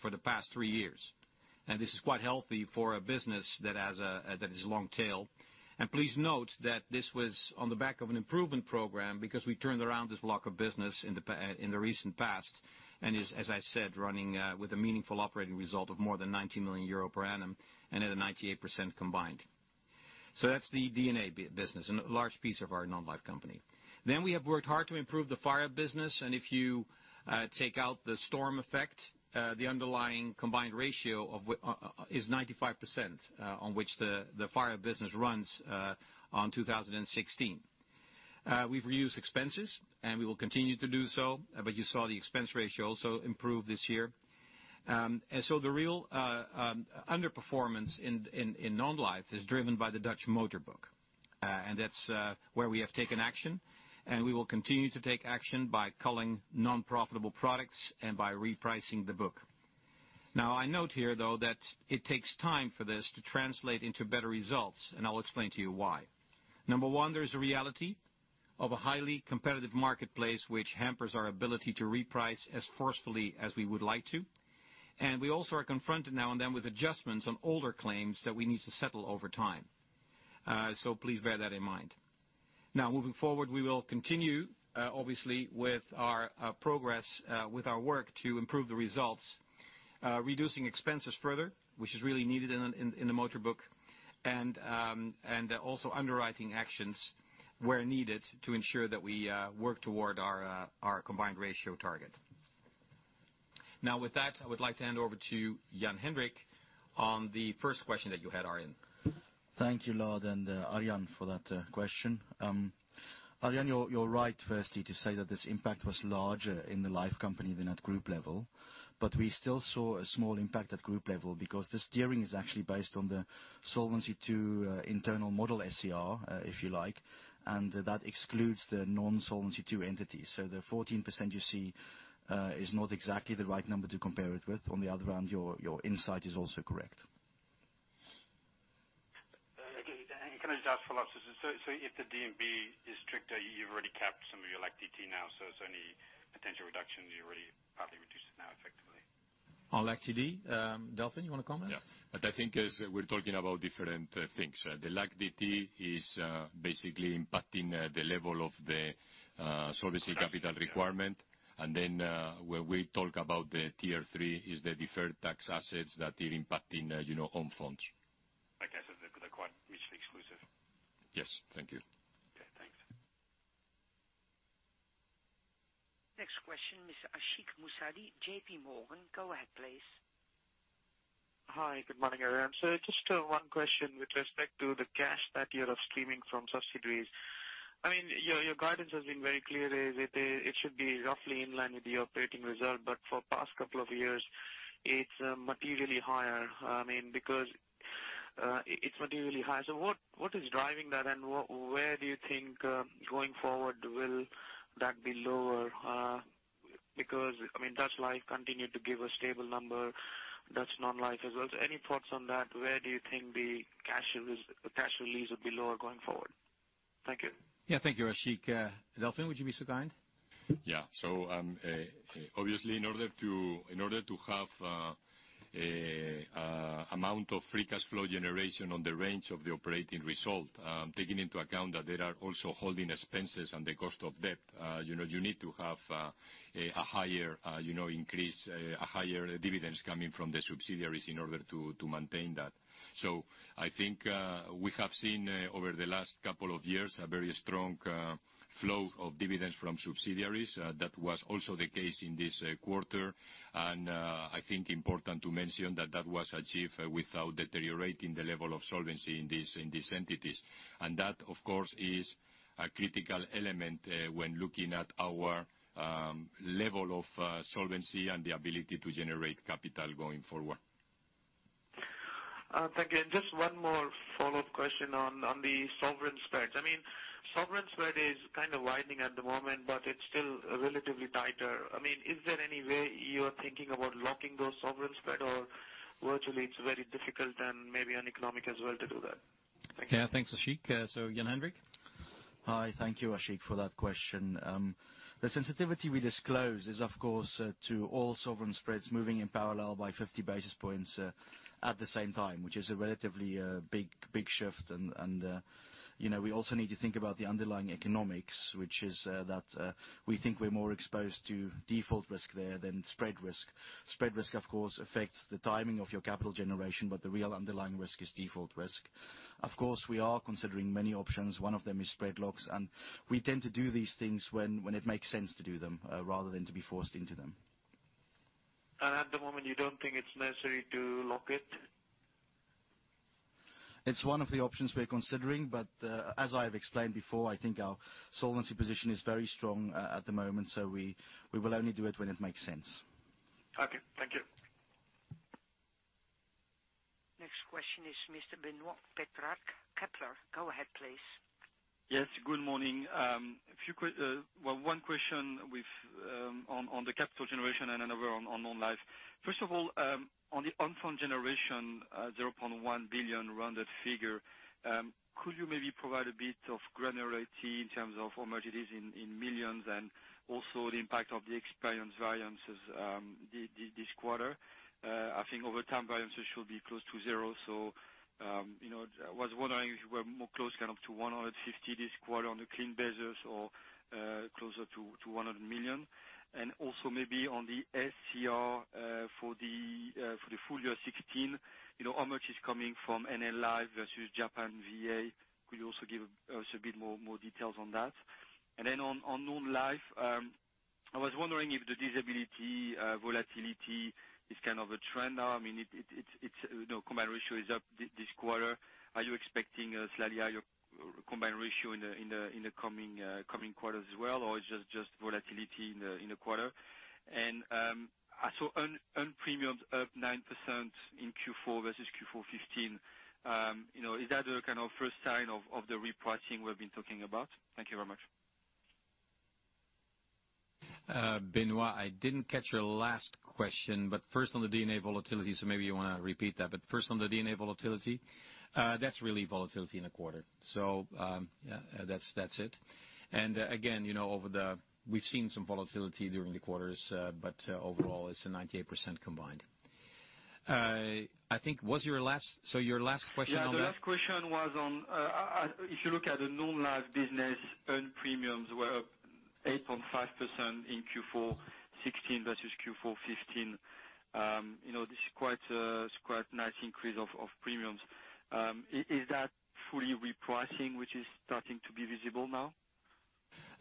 for the past three years. This is quite healthy for a business that is long tail. Please note that this was on the back of an improvement program because we turned around this block of business in the recent past, is, as I said, running with a meaningful operating result of more than 90 million euro per annum and at a 98% combined. That's the DAC business and a large piece of our non-life company. We have worked hard to improve the fire business, and if you take out the storm effect, the underlying combined ratio is 95%, on which the fire business runs on 2016. We've reduced expenses, and we will continue to do so, but you saw the expense ratio also improve this year. The real underperformance in non-life is driven by the Dutch motor book. That's where we have taken action, and we will continue to take action by culling non-profitable products and by repricing the book. I note here, though, that it takes time for this to translate into better results, and I'll explain to you why. Number 1, there is a reality of a highly competitive marketplace, which hampers our ability to reprice as forcefully as we would like to. We also are confronted now and then with adjustments on older claims that we need to settle over time. Please bear that in mind. Moving forward, we will continue, obviously, with our progress, with our work to improve the results, reducing expenses further, which is really needed in the motor book, and also underwriting actions where needed to ensure that we work toward our combined ratio target. With that, I would like to hand over to Jan-Hendrik on the first question that you had, Arjan. Thank you, Lard, and Arjan for that question. Arjan, you're right, firstly to say that this impact was larger in the life company than at Group level. We still saw a small impact at Group level because the steering is actually based on the Solvency II internal model SCR, if you like, and that excludes the non-Solvency II entities. The 14% you see is not exactly the right number to compare it with. On the other hand, your insight is also correct. Okay. Can I just ask for losses? If the DNB is stricter, you've already capped some of your LAC-DT now, so it's only potential reduction. You're already partly reduced it now, effectively. On LAC-DT? Delfin, you want to comment? Yeah. I think as we're talking about different things. The LAC-DT is basically impacting the level of the solvency capital requirement. When we talk about the Tier 3 is the deferred tax assets that are impacting own funds. Okay. They're quite mutually exclusive. Yes. Thank you. Okay, thanks. Next question, Mr. Ashik Musaddi, JPMorgan. Go ahead, please. Hi. Good morning, everyone. Just one question with respect to the cash that you're streaming from subsidiaries. Your guidance has been very clear, it should be roughly in line with your operating result. For past couple of years, it's materially higher. What is driving that, and where do you think, going forward, will that be lower? Netherlands Life continued to give a stable number, Netherlands Non-life as well. Any thoughts on that? Where do you think the cash release would be lower going forward? Thank you. Yeah, thank you, Ashik. Delfin, would you be so kind? Obviously in order to have amount of free cash flow generation on the range of the operating result, taking into account that there are also holding expenses and the cost of debt, you need to have a higher increase, a higher dividends coming from the subsidiaries in order to maintain that. I think we have seen over the last couple of years, a very strong flow of dividends from subsidiaries. That was also the case in this quarter, and I think important to mention that that was achieved without deteriorating the level of solvency in these entities. That, of course, is a critical element when looking at our level of solvency and the ability to generate capital going forward. Thank you. Just one more follow-up question on the sovereign spreads. Sovereign spread is kind of widening at the moment, but it's still relatively tighter. Is there any way you're thinking about locking those sovereign spread, or virtually it's very difficult and maybe uneconomic as well to do that? Thank you. Thanks, Ashik. Jan-Hendrik? Hi. Thank you, Ashik, for that question. The sensitivity we disclose is, of course, to all sovereign spreads moving in parallel by 50 basis points at the same time, which is a relatively big shift. We also need to think about the underlying economics, which is that we think we're more exposed to default risk there than spread risk. Spread risk, of course, affects the timing of your capital generation, but the real underlying risk is default risk. Of course, we are considering many options. One of them is spread locks, and we tend to do these things when it makes sense to do them, rather than to be forced into them. At the moment, you don't think it's necessary to lock it? It's one of the options we're considering, as I have explained before, I think our solvency position is very strong at the moment. We will only do it when it makes sense. Okay. Thank you. Next question is Mr. Benoit Petrarque, Kepler. Go ahead, please. Yes. Good morning. One question on the capital generation, another on non-life. First of all, on the own fund generation, 0.1 billion rounded figure. Could you maybe provide a bit of granularity in terms of how much it is in millions, also the impact of the experience variances this quarter? I think over time, variances should be close to zero. I was wondering if you were more close, kind of to 150 million this quarter on a clean basis or closer to 100 million. Also maybe on the SCR for the full year 2016, how much is coming from NN Life versus Japan VA? Could you also give us a bit more details on that? On non-life, I was wondering if the disability volatility is kind of a trend now. Combined ratio is up this quarter. Are you expecting a slightly higher combined ratio in the coming quarters as well, or is it just volatility in the quarter? I saw earned premiums up 9% in Q4 versus Q4 2015. Is that a kind of first sign of the repricing we've been talking about? Thank you very much. Benoit, I didn't catch your last question. First on the DAC volatility, maybe you want to repeat that. First on the DAC volatility, that's really volatility in a quarter. That's it. Again, we've seen some volatility during the quarters, but overall it's a 98% combined. I think, your last question on that? The last question was on, if you look at the non-life business, earned premiums were up 8.5% in Q4 2016 versus Q4 2015. This is quite nice increase of premiums. Is that fully repricing, which is starting to be visible now?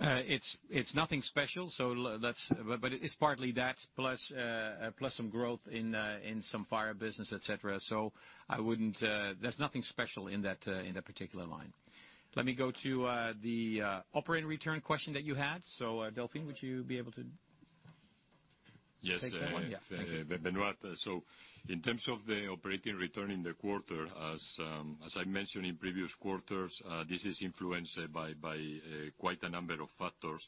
It's nothing special. It's partly that, plus some growth in some fire business, et cetera. There's nothing special in that particular line. Let me go to the operating return question that you had. Delfin, would you be able to? Yes. Benoit, in terms of the operating return in the quarter, as I mentioned in previous quarters, this is influenced by quite a number of factors.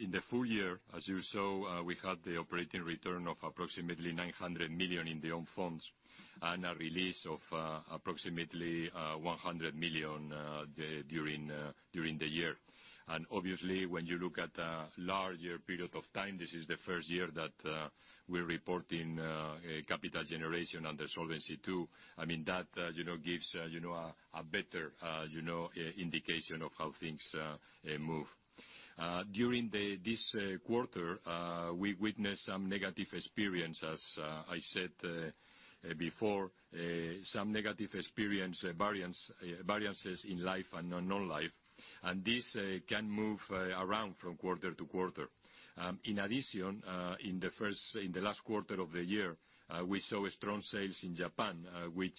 In the full year, as you saw, we had the operating return of approximately 900 million in the own funds, and a release of approximately 100 million during the year. Obviously, when you look at a larger period of time, this is the first year that we're reporting capital generation under Solvency II. That gives a better indication of how things move. During this quarter, we witnessed some negative experience, as I said before. Some negative experience variances in life and non-life. This can move around from quarter to quarter. In addition, in the last quarter of the year, we saw strong sales in Japan, which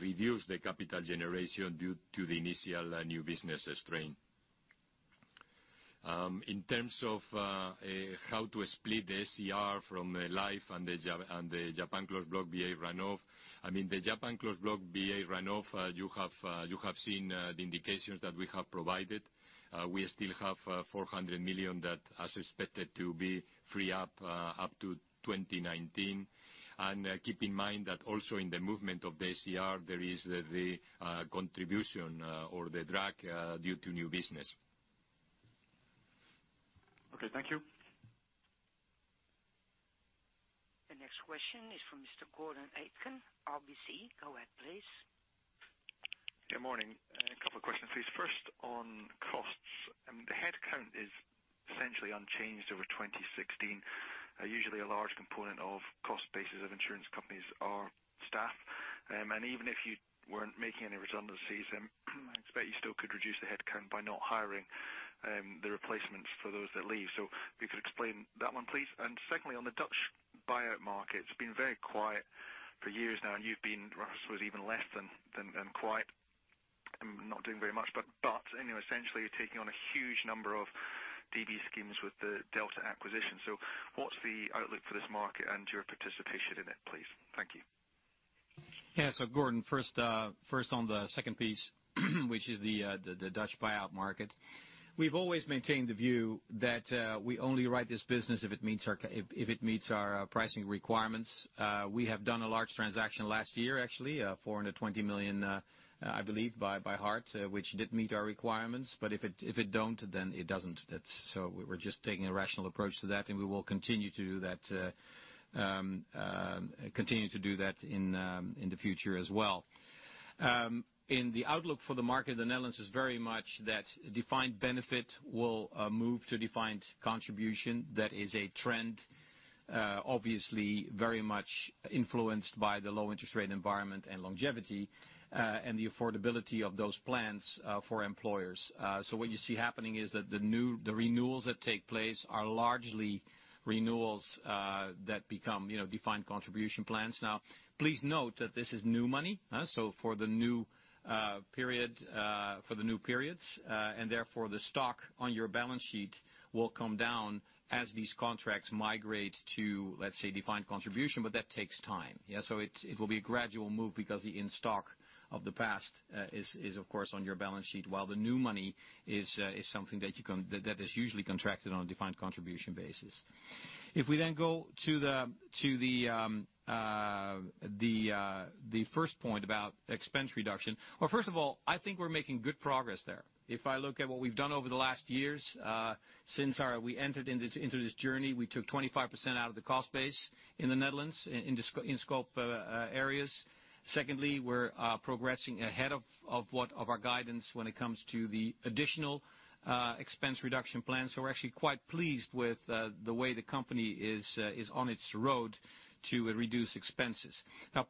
reduced the capital generation due to the initial new business strain. In terms of how to split the SCR from Life and the Japan Closed Block VA run-off. The Japan Closed Block VA run-off, you have seen the indications that we have provided. We still have 400 million that, as expected, to be free up to 2019. Keep in mind that also in the movement of the SCR, there is the contribution or the drag due to new business. Okay, thank you. The next question is from Mr. Gordon Aitken, RBC. Go ahead, please. Good morning. A couple of questions, please. First, on costs. The headcount is essentially unchanged over 2016. Usually, a large component of cost bases of insurance companies are staff. Even if you weren't making any redundancies, I expect you still could reduce the headcount by not hiring the replacements for those that leave. If you could explain that one, please. Secondly, on the Dutch buyout market. It's been very quiet for years now, and you've been, I suppose, even less than quiet, not doing very much. Anyway, essentially, you're taking on a huge number of DB schemes with the Delta acquisition. What's the outlook for this market and your participation in it, please? Thank you. Gordon, first on the second piece, which is the Dutch buyout market. We've always maintained the view that we only write this business if it meets our pricing requirements. We have done a large transaction last year, actually. 420 million, I believe, by heart, which did meet our requirements. If it don't, then it doesn't. We're just taking a rational approach to that, and we will continue to do that in the future as well. In the outlook for the market, the Netherlands is very much that defined benefit will move to defined contribution. That is a trend obviously very much influenced by the low interest rate environment and longevity, and the affordability of those plans for employers. What you see happening is that the renewals that take place are largely renewals that become defined contribution plans. Now, please note that this is new money. For the new periods, and therefore, the stock on your balance sheet will come down as these contracts migrate to, let's say, defined contribution, but that takes time. It will be a gradual move because the in-stock of the past is, of course, on your balance sheet, while the new money is something that is usually contracted on a defined contribution basis. If we then go to the first point about expense reduction. Well, first of all, I think we're making good progress there. If I look at what we've done over the last years since we entered into this journey, we took 25% out of the cost base in the Netherlands, in scope areas. Secondly, we're progressing ahead of our guidance when it comes to the additional expense reduction plan. We're actually quite pleased with the way the company is on its road to reduce expenses.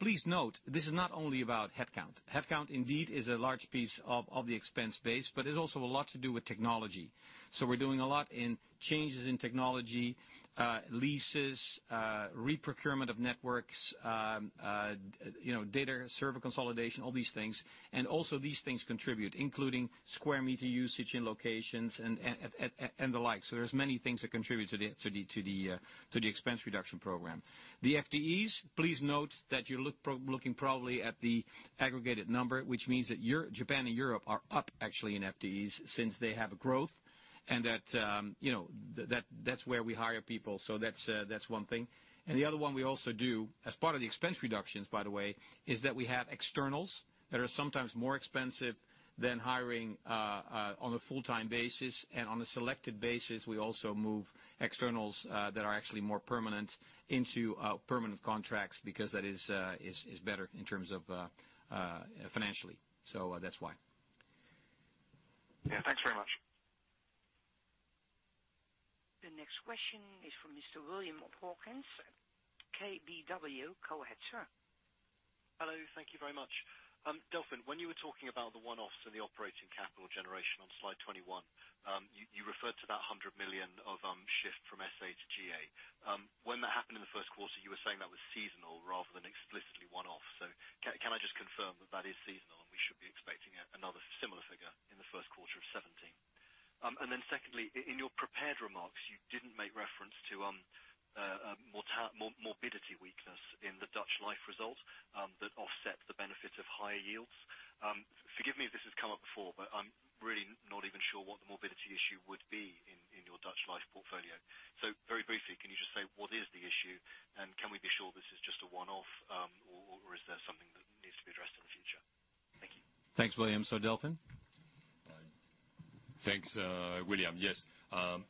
Please note, this is not only about headcount. Headcount indeed is a large piece of the expense base, but it's also a lot to do with technology. We're doing a lot in changes in technology, leases, reprocurement of networks, data server consolidation, all these things. Also these things contribute, including sq m usage in locations and the like. There's many things that contribute to the expense reduction program. The FTEs, please note that you're looking probably at the aggregated number, which means that Japan and Europe are up actually in FTEs since they have growth, and that's where we hire people. That's one thing. The other one we also do, as part of the expense reductions, by the way, is that we have externals that are sometimes more expensive than hiring on a full-time basis. On a selected basis, we also move externals that are actually more permanent into permanent contracts because that is better in terms of financially. That's why. Yeah. Thanks very much. The next question is from Mr. William Hawkins, KBW. Go ahead, sir. Hello, thank you very much. Delfin, when you were talking about the one-offs and the operating capital generation on slide 21, you referred to that 100 million of shift from SA to GA. When Seasonal rather than explicitly one-off, can I just confirm that is seasonal, and we should be expecting another similar figure in the first quarter of 2017? Secondly, in your prepared remarks, you didn't make reference to morbidity weakness in the Dutch Life results that offset the benefit of higher yields. Forgive me if this has come up before, but I'm really not even sure what the morbidity issue would be in your Dutch Life portfolio. Very briefly, can you just say what is the issue, and can we be sure this is just a one-off, or is there something that needs to be addressed in the future? Thank you. Thanks, William. Delfin? Thanks, William. Yes.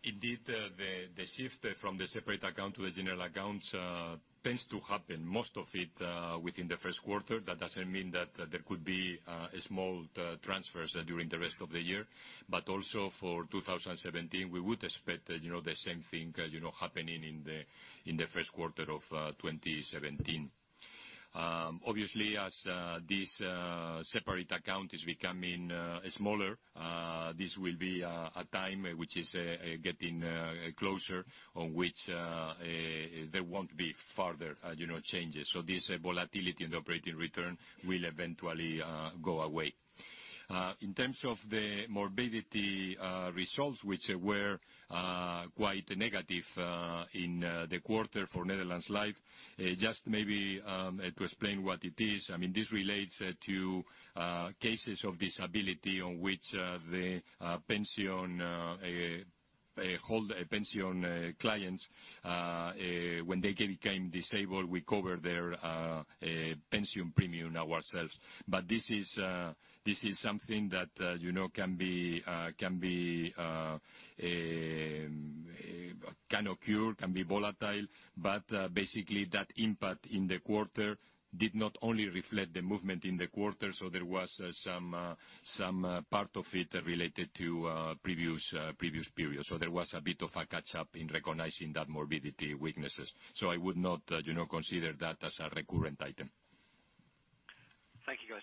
Indeed, the shift from the separate account to the general accounts tends to happen, most of it within the first quarter. That doesn't mean that there could be small transfers during the rest of the year. Also for 2017, we would expect the same thing happening in the first quarter of 2017. Obviously, as this separate account is becoming smaller, this will be a time which is getting closer, on which there won't be further changes. This volatility in the operating return will eventually go away. In terms of the morbidity results, which were quite negative in the quarter for Netherlands Life, just maybe to explain what it is. This relates to cases of disability on which the pension clients, when they became disabled, we cover their pension premium ourselves. This is something that can occur, can be volatile, basically that impact in the quarter did not only reflect the movement in the quarter. There was some part of it related to previous periods. There was a bit of a catch-up in recognizing that morbidity weaknesses. I would not consider that as a recurrent item. Thank you, guys.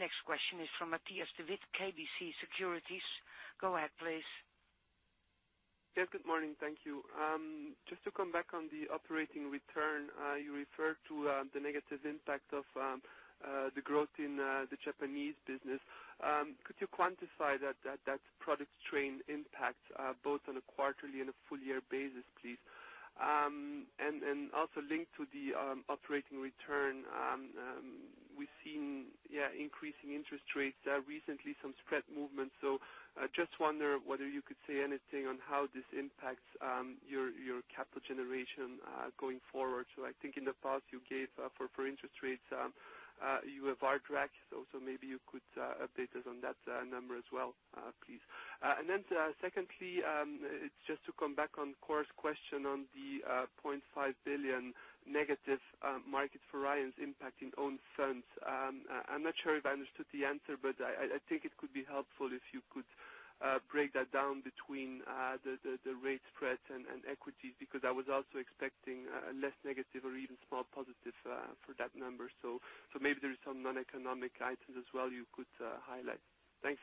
The next question is from Matthias De Wit, KBC Securities. Go ahead, please. Yes, good morning. Thank you. Just to come back on the operating return, you referred to the negative impact of the growth in the Japanese business. Could you quantify that product strain impact, both on a quarterly and a full year basis, please? Also linked to the operating return, we've seen increasing interest rates, recently some spread movement. I just wonder whether you could say anything on how this impacts your capital generation going forward. I think in the past you gave for interest rates, UFR tracks. Also, maybe you could update us on that number as well, please. Then secondly, it's just to come back on Cor's question on the 0.5 billion negative market variance impact in own funds. I'm not sure if I understood the answer, but I think it could be helpful if you could break that down between the rate spreads and equities, because I was also expecting a less negative or even small positive for that number. Maybe there is some non-economic items as well you could highlight. Thanks.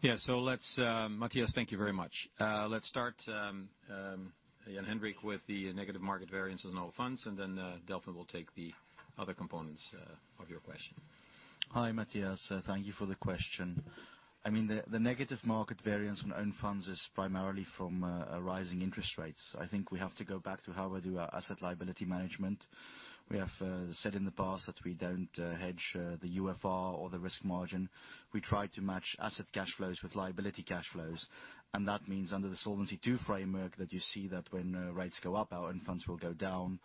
Yes. Matthias, thank you very much. Let's start, Jan-Hendrik, with the negative market variance on own funds, and then Delfin will take the other components of your question. Hi, Matthias. Thank you for the question. The negative market variance on own funds is primarily from rising interest rates. I think we have to go back to how we do our asset liability management. We have said in the past that we don't hedge the UFR or the risk margin. We try to match asset cash flows with liability cash flows. That means under the Solvency II framework, that you see that when rates go up, our own funds will go down,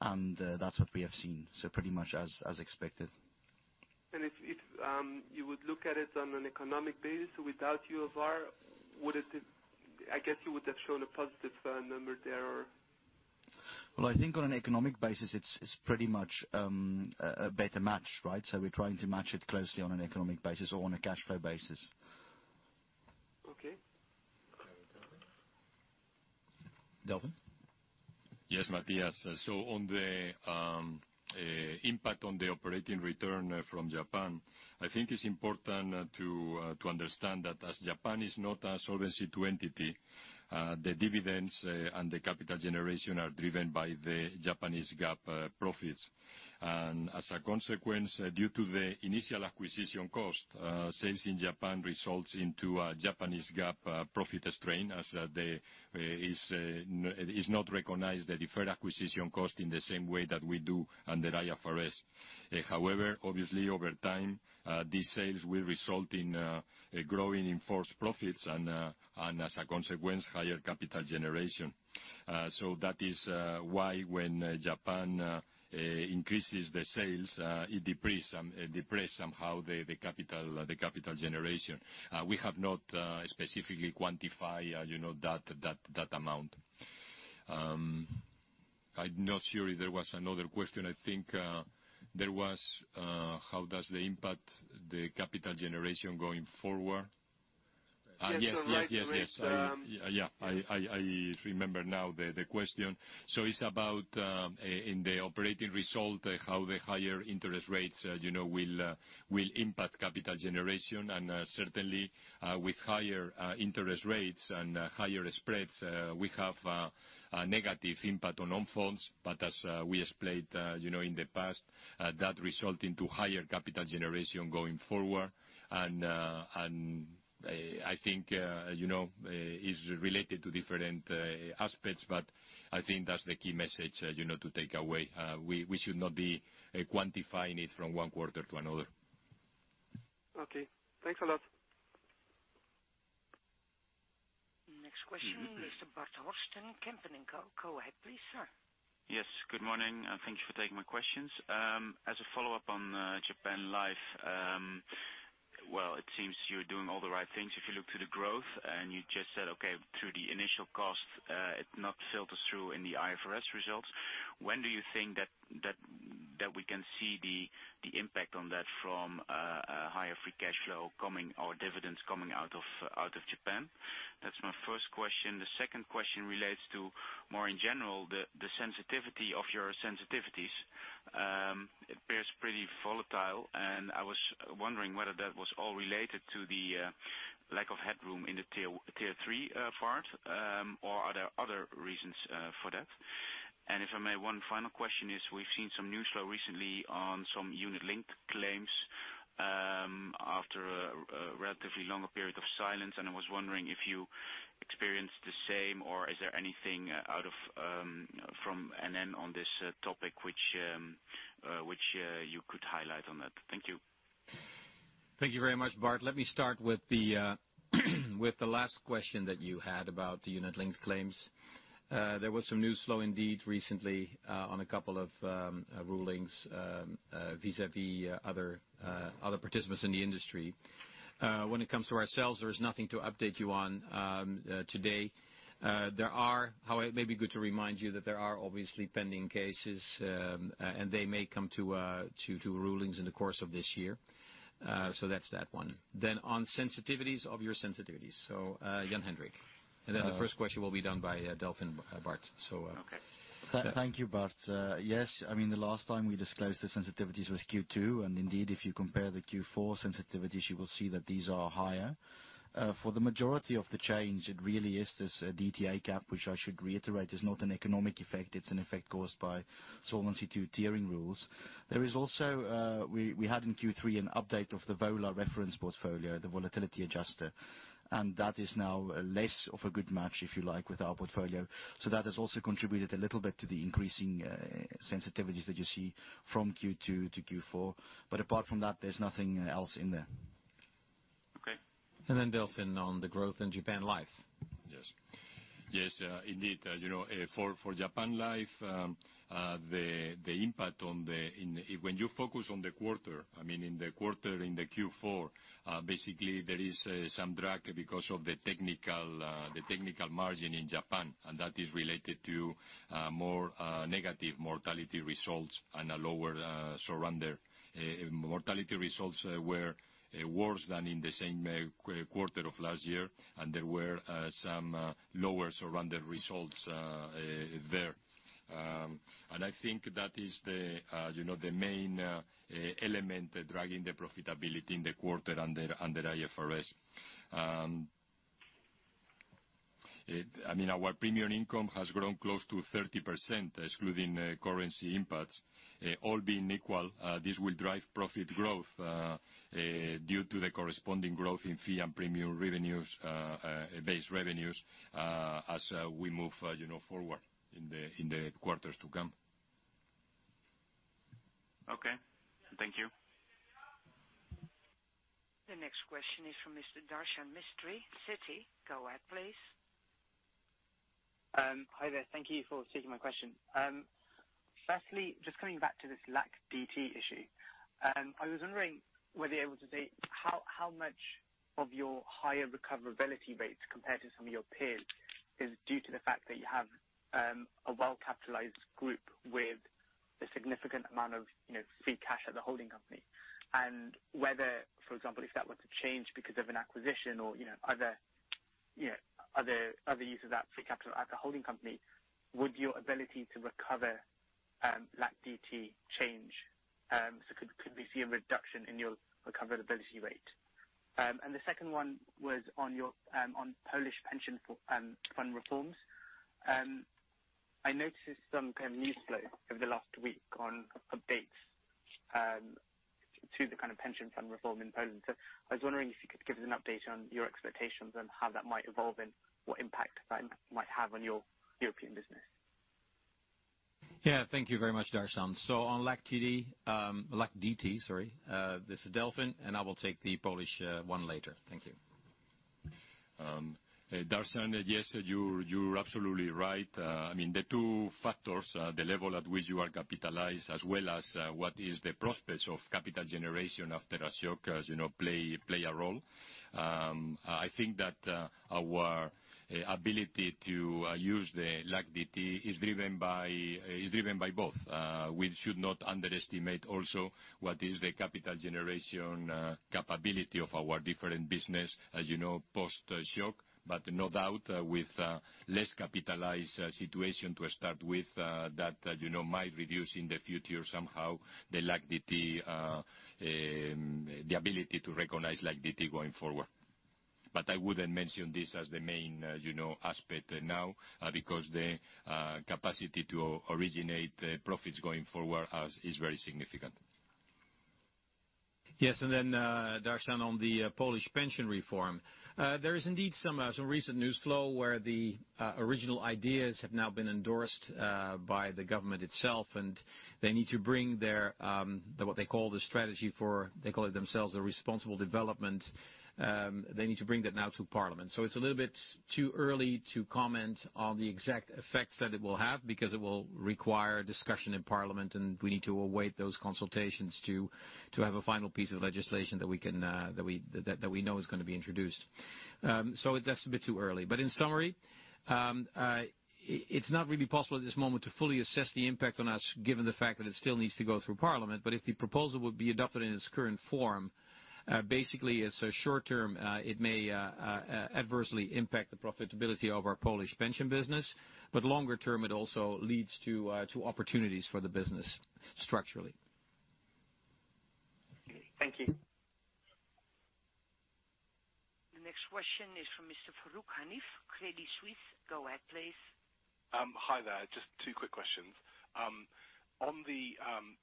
and that's what we have seen. Pretty much as expected. If you would look at it on an economic basis without UFR, I guess you would have shown a positive number there? I think on an economic basis, it's pretty much a better match, right? We're trying to match it closely on an economic basis or on a cash flow basis. Okay. Delfin? Yes, Matthias. On the impact on the operating return from Japan, I think it's important to understand that as Japan is not a Solvency II entity, the dividends and the capital generation are driven by the Japanese GAAP profits. As a consequence, due to the initial acquisition cost, sales in Japan results into a Japanese GAAP profit strain as it is not recognized, the Deferred Acquisition Costs, in the same way that we do under IFRS. However, obviously over time, these sales will result in growing in-force profits, and as a consequence, higher capital generation. That is why when Japan increases the sales, it depresses somehow the capital generation. We have not specifically quantified that amount. I'm not sure if there was another question. I think there was, how does the impact the capital generation going forward? Yes. Yes, you're right, Lard. Yes. I remember now the question. It's about, in the operating result, how the higher interest rates will impact capital generation. Certainly, with higher interest rates and higher spreads, we have a negative impact on non-funds. As we explained in the past, that result into higher capital generation going forward. I think it's related to different aspects, but I think that's the key message to take away. We should not be quantifying it from one quarter to another. Okay. Thanks a lot. Next question, Mr. Bart Horsten, Kempen. Go ahead, please, sir. Yes, good morning. Thank you for taking my questions. As a follow-up on Japan Life. Well, it seems you're doing all the right things if you look to the growth, and you just said, okay, through the initial costs, it not filters through in the IFRS results. When do you think that we can see the impact on that from a higher free cash flow coming or dividends coming out of Japan? That's my first question. The second question relates to, more in general, the sensitivity of your sensitivities. It appears pretty volatile, and I was wondering whether that was all related to the lack of headroom in the Tier 3 part, or are there other reasons for that? If I may, one final question is, we've seen some news flow recently on some unit-linked claims after a relatively longer period of silence, and I was wondering if you experienced the same, or is there anything out from NN on this topic which you could highlight on that? Thank you. Thank you very much, Bart. Let me start with the last question that you had about the unit-linked claims. There was some news flow indeed recently on a couple of rulings vis-à-vis other participants in the industry. When it comes to ourselves, there is nothing to update you on today. However, it may be good to remind you that there are obviously pending cases, and they may come to rulings in the course of this year. That's that one. On sensitivities of your sensitivities. Jan-Hendrik. The first question will be done by Delfin, Bart. Okay. Step. Thank you, Bart. Yes, the last time we disclosed the sensitivities was Q2, and indeed, if you compare the Q4 sensitivities, you will see that these are higher. For the majority of the change, it really is this DTA gap, which I should reiterate is not an economic effect. It's an effect caused by Solvency II tiering rules. There is also, we had in Q3 an update of the VOLA reference portfolio, the volatility adjuster. That is now less of a good match, if you like, with our portfolio. That has also contributed a little bit to the increasing sensitivities that you see from Q2 to Q4. Apart from that, there's nothing else in there. Okay. Delfin on the growth in Japan Life. Yes. Indeed. For Japan Life, when you focus on the quarter, in the Q4, basically there is some drag because of the technical margin in Japan, and that is related to more negative mortality results and a lower surrender. Mortality results were worse than in the same quarter of last year, and there were some lower surrender results there. I think that is the main element dragging the profitability in the quarter under IFRS. Our premium income has grown close to 30%, excluding currency impacts. All being equal, this will drive profit growth due to the corresponding growth in fee and premium revenues, base revenues as we move forward in the quarters to come. Okay. Thank you. The next question is from Mr. Darshan Mistry, Citi. Go ahead, please. Hi there. Thank you for taking my question. Firstly, just coming back to this LAC DT issue. I was wondering whether you're able to say how much of your higher recoverability rates compared to some of your peers is due to the fact that you have a well-capitalized group with a significant amount of free cash at the holding company. Whether, for example, if that were to change because of an acquisition or other use of that free capital at the holding company, would your ability to recover LAC DT change? Could we see a reduction in your recoverability rate? The second one was on Polish pension fund reforms. I noticed some kind of news flow over the last week on updates to the pension fund reform in Poland. I was wondering if you could give us an update on your expectations and how that might evolve, and what impact that might have on your European business. Thank you very much, Darshan. On LAC DT, sorry, this is Delfin, I will take the Polish one later. Thank you. Darshan, yes, you're absolutely right. The two factors, the level at which you are capitalized, as well as what is the prospects of capital generation after a shock play a role. I think that our ability to use the LAC DT is driven by both. We should not underestimate also what is the capital generation capability of our different business, as you know, post shock. No doubt, with less capitalized situation to start with, that might reduce in the future somehow, the ability to recognize LAC DT going forward. I wouldn't mention this as the main aspect now, because the capacity to originate profits going forward is very significant. Darshan, on the Polish pension reform. There is indeed some recent news flow where the original ideas have now been endorsed by the government itself, and they need to bring what they call the strategy for, they call it themselves, the responsible development. They need to bring that now to Parliament. It's a little bit too early to comment on the exact effects that it will have, because it will require discussion in Parliament, and we need to await those consultations to have a final piece of legislation that we know is going to be introduced. That's a bit too early. In summary, it's not really possible at this moment to fully assess the impact on us, given the fact that it still needs to go through Parliament. If the proposal would be adopted in its current form, basically as a short term, it may adversely impact the profitability of our Polish pension business. Longer term, it also leads to opportunities for the business structurally. Thank you. The next question is from Mr. Farooq Hanif, Credit Suisse. Go ahead, please. Hi there. Just two quick questions. On the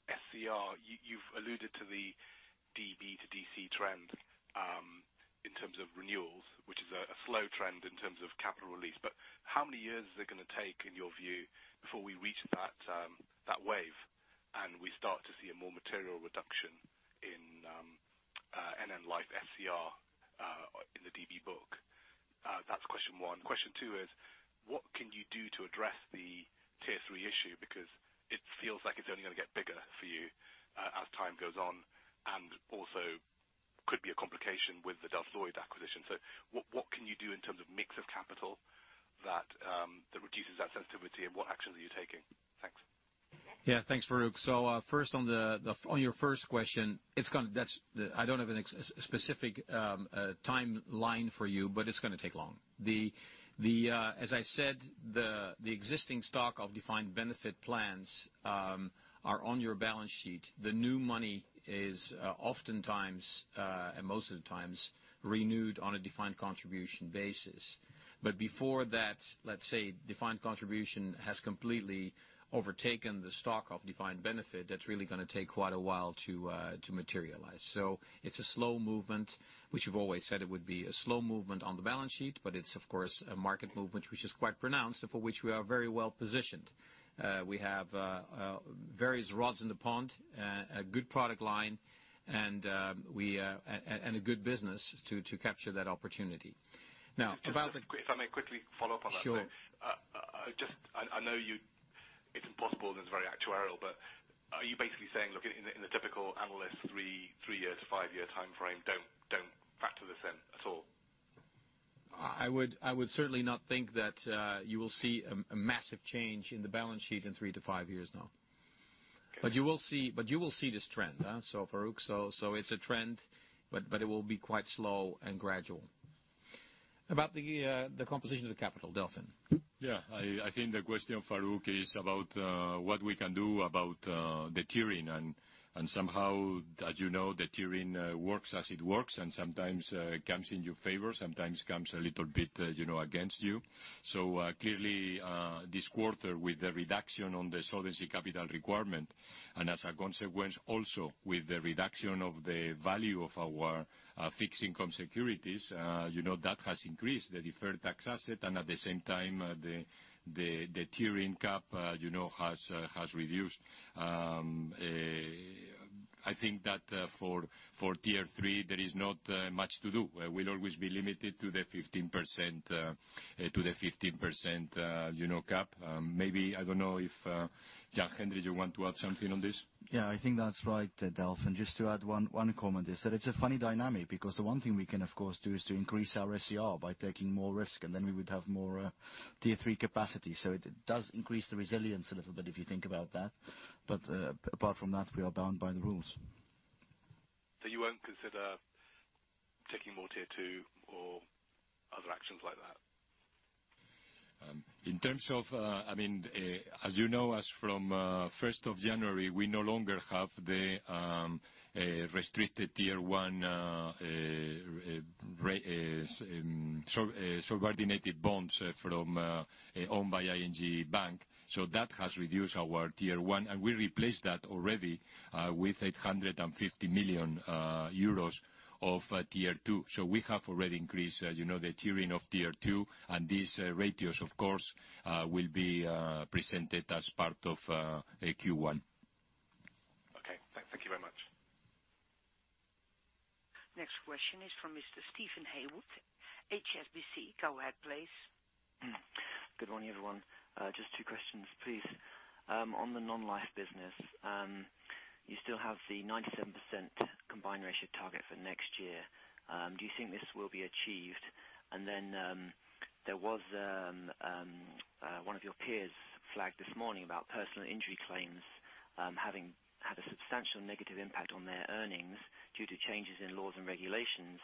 SCR, you've alluded to the DB to DC trend in terms of renewals, which is a slow trend in terms of capital release. How many years is it going to take, in your view, before we reach that wave and we start to see a more material reduction in NN Life SCR in the DB book? That's question one. Question two is what can you do to address the Tier 3 issue? It feels like it's only going to get bigger for you as time goes on, and also could be a complication with the Delta Lloyd acquisition. What can you do in terms of mix of capital that reduces that sensitivity, and what actions are you taking? Thanks. Yeah. Thanks, Farooq. First, on your first question, I don't have a specific timeline for you, it's going to take long. As I said, the existing stock of defined benefit plans are on your balance sheet. The new money is oftentimes, and most of the times, renewed on a defined contribution basis. Before that, let's say, defined contribution has completely overtaken the stock of defined benefit. That's really going to take quite a while to materialize. It's a slow movement, which I've always said it would be. A slow movement on the balance sheet, it's of course, a market movement which is quite pronounced and for which we are very well positioned. We have various rods in the pond, a good product line, and a good business to capture that opportunity. If I may quickly follow up on that. Sure. I know it's impossible, and it's very actuarial. Are you basically saying, look, in the typical analyst three year to five year time frame, don't factor this in at all? I would certainly not think that you will see a massive change in the balance sheet in three to five years, no. Okay. You will see this trend, Farooq. It's a trend, but it will be quite slow and gradual. About the composition of the capital, Delfin? Yeah. I think the question, Farooq, is about what we can do about the tiering, and somehow, as you know, the tiering works as it works, and sometimes comes in your favor, sometimes comes a little bit against you. Clearly, this quarter, with the reduction on the solvency capital requirement, and as a consequence, also with the reduction of the value of our fixed income securities, that has increased the deferred tax asset, and at the same time, the tiering cap has reduced. I think that for Tier 3, there is not much to do. We'll always be limited to the 15% cap. Maybe, I don't know if Jan-Hendrik, you want to add something on this? Yeah, I think that's right, Delfin. Just to add one comment is that it's a funny dynamic because the one thing we can, of course, do is to increase our SCR by taking more risk, and then we would have more Tier 3 capacity. Apart from that, we are bound by the rules. You won't consider taking more Tier 2 or other actions like that? In terms of, as you know, as from 1st of January, we no longer have the restricted Tier 1 subordinated bonds owned by ING Bank. That has reduced our Tier 1, and we replaced that already with 850 million euros of Tier 2. We have already increased the tiering of Tier 2, and these ratios, of course, will be presented as part of Q1. Next question is from Mr. Steven Haywood, HSBC. Go ahead, please. Good morning, everyone. Just two questions, please. On the non-life business, you still have the 97% combined ratio target for next year. Do you think this will be achieved? There was one of your peers flagged this morning about personal injury claims having had a substantial negative impact on their earnings due to changes in laws and regulations.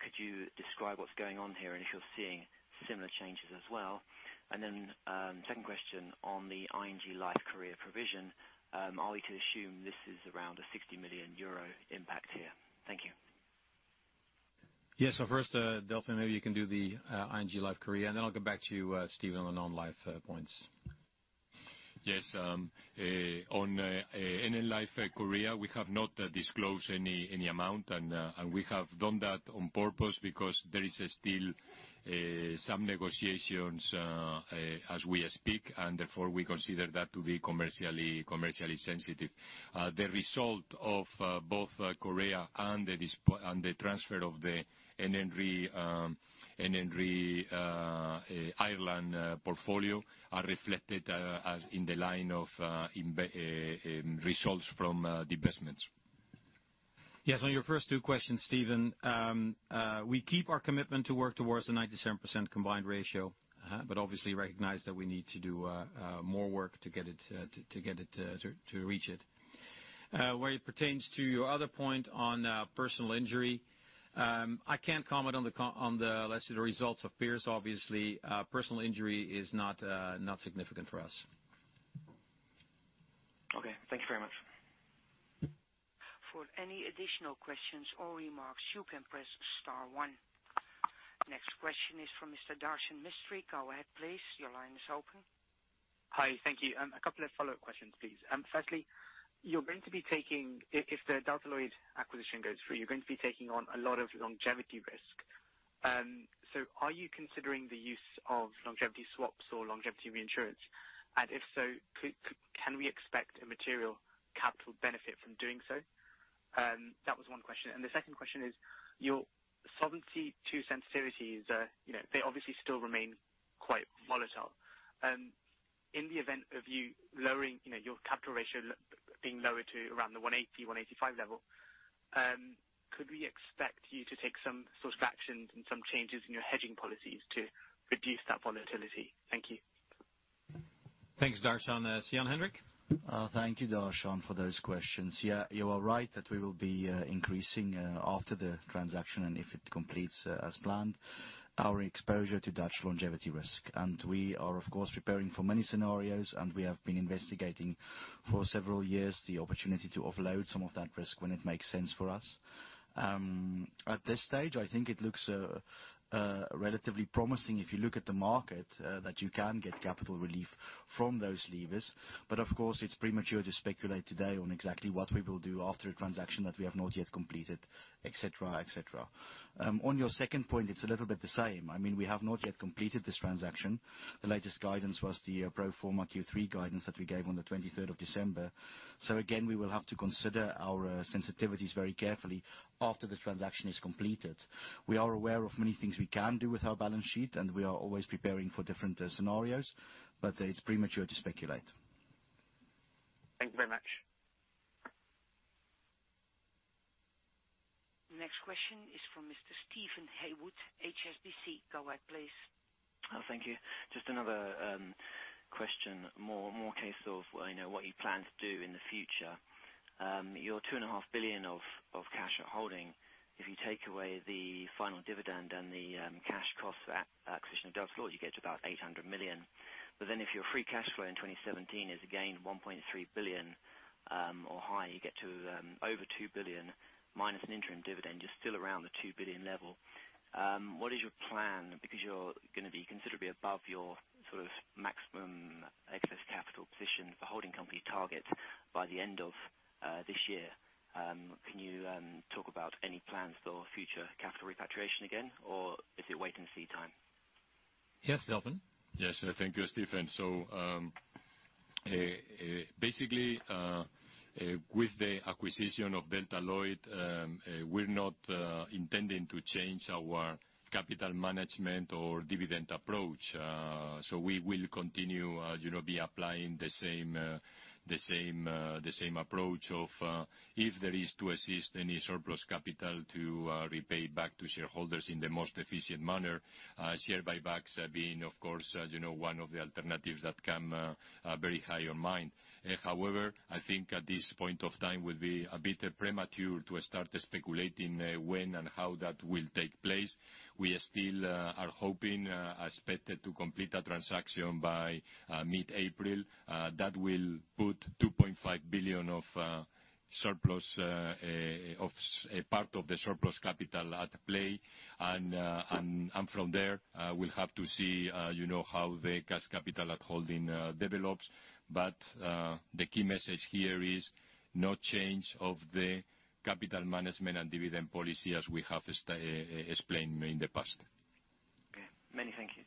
Could you describe what's going on here, and if you're seeing similar changes as well? Second question on the ING Life Korea provision. Are we to assume this is around a 60 million euro impact here? Thank you. Yes. First, Delfin, maybe you can do the ING Life Korea, I'll get back to you, Steven, on non-life points. Yes. On NN Life Korea, we have not disclosed any amount. We have done that on purpose because there is still some negotiations as we speak, therefore we consider that to be commercially sensitive. The result of both Korea and the transfer of the NN Group Ireland portfolio are reflected in the line of results from divestments. Yes, on your first two questions, Steven, we keep our commitment to work towards the 97% combined ratio, obviously recognize that we need to do more work to reach it. Where it pertains to your other point on personal injury, I can't comment on the less the results of peers. Obviously, personal injury is not significant for us. Okay. Thank you very much. For any additional questions or remarks, you can press star one. Next question is from Mr. Darshan Mistry. Go ahead, please. Your line is open. Hi. Thank you. A couple of follow-up questions, please. Firstly, if the Delta Lloyd acquisition goes through, you're going to be taking on a lot of longevity risk. Are you considering the use of longevity swaps or longevity reinsurance? If so, can we expect a material capital benefit from doing so? That was one question. The second question is, your Solvency II sensitivities, they obviously still remain quite volatile. In the event of your capital ratio being lowered to around the 180, 185 level, could we expect you to take some sorts of actions and some changes in your hedging policies to reduce that volatility? Thank you. Thanks, Darshan. Jan-Hendrik? Thank you, Darshan, for those questions. Yeah, you are right that we will be increasing after the transaction, and if it completes as planned, our exposure to Dutch longevity risk. We are, of course, preparing for many scenarios, and we have been investigating for several years the opportunity to offload some of that risk when it makes sense for us. At this stage, I think it looks relatively promising if you look at the market, that you can get capital relief from those levers. Of course, it's premature to speculate today on exactly what we will do after a transaction that we have not yet completed, et cetera. On your second point, it's a little bit the same. We have not yet completed this transaction. The latest guidance was the pro forma Q3 guidance that we gave on the 23rd of December. Again, we will have to consider our sensitivities very carefully after the transaction is completed. We are aware of many things we can do with our balance sheet, and we are always preparing for different scenarios. It's premature to speculate. Thank you very much. Next question is from Mr. Steven Haywood, HSBC. Go ahead, please. Thank you. Just another question, more case of what you plan to do in the future. Your 2.5 billion of cash holding, if you take away the final dividend and the cash cost acquisition of Delta, you get to about 800 million. If your free cash flow in 2017 is again 1.3 billion or high, you get to over 2 billion minus an interim dividend, you're still around the 2 billion level. What is your plan? You're going to be considerably above your maximum excess capital position for holding company targets by the end of this year. Can you talk about any plans for future capital repatriation again, or is it wait and see time? Yes, Delfin. Yes. Thank you, Steven. Basically, with the acquisition of Delta Lloyd, we're not intending to change our capital management or dividend approach. We will continue to be applying the same approach of, if there is to exist any surplus capital to repay back to shareholders in the most efficient manner. Share buybacks being, of course, one of the alternatives that come very high on mind. However, I think at this point of time will be a bit premature to start speculating when and how that will take place. We still are hoping, expected to complete a transaction by mid-April. That will put 2.5 billion of a part of the surplus capital at play. From there, we'll have to see how the cash capital at holding develops. The key message here is no change of the capital management and dividend policy as we have explained in the past. Okay. Many thank yous.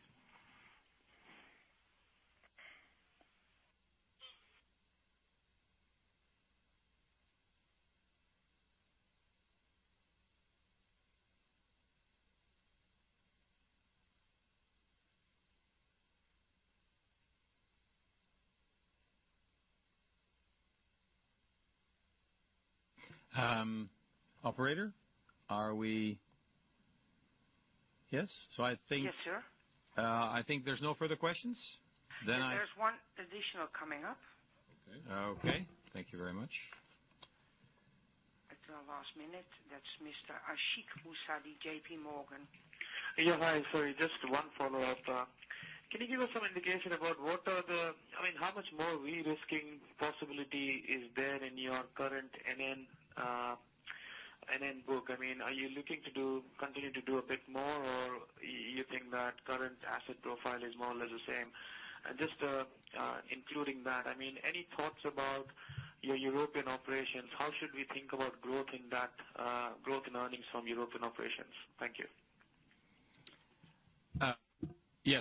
Operator, are we? Yes? Yes, sir. I think there's no further questions. There's one additional coming up. Okay. Thank you very much. At the last minute. That's Mr. Ashik Musaddi, JPMorgan. Hi, sorry. Just one follow-up. Can you give us some indication about how much more de-risking possibility is there in your current NN book? Are you looking to continue to do a bit more, or you think that current asset profile is more or less the same? Just including that, any thoughts about your European operations? Thank you.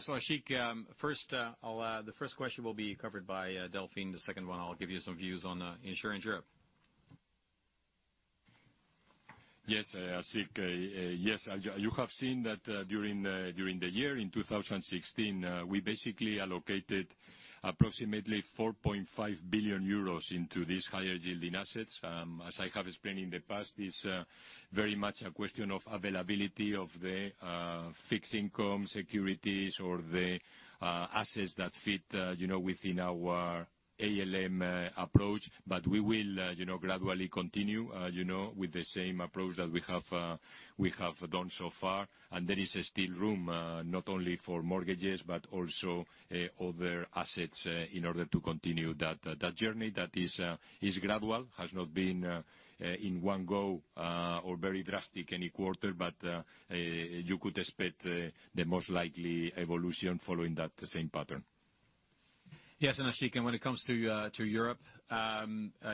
Ashik, the first question will be covered by Delfin. The second one, I'll give you some views on Insurance Europe. Yes, Ashik. Yes. You have seen that during the year in 2016, we basically allocated approximately 4.5 billion euros into these higher yielding assets. As I have explained in the past, it's very much a question of availability of the fixed income securities or the assets that fit within our ALM approach. We will gradually continue with the same approach that we have done so far. There is still room, not only for mortgages but also other assets in order to continue that journey that is gradual. It has not been in one go or very drastic any quarter, but you could expect the most likely evolution following that same pattern. Yes. Ashik, when it comes to Europe,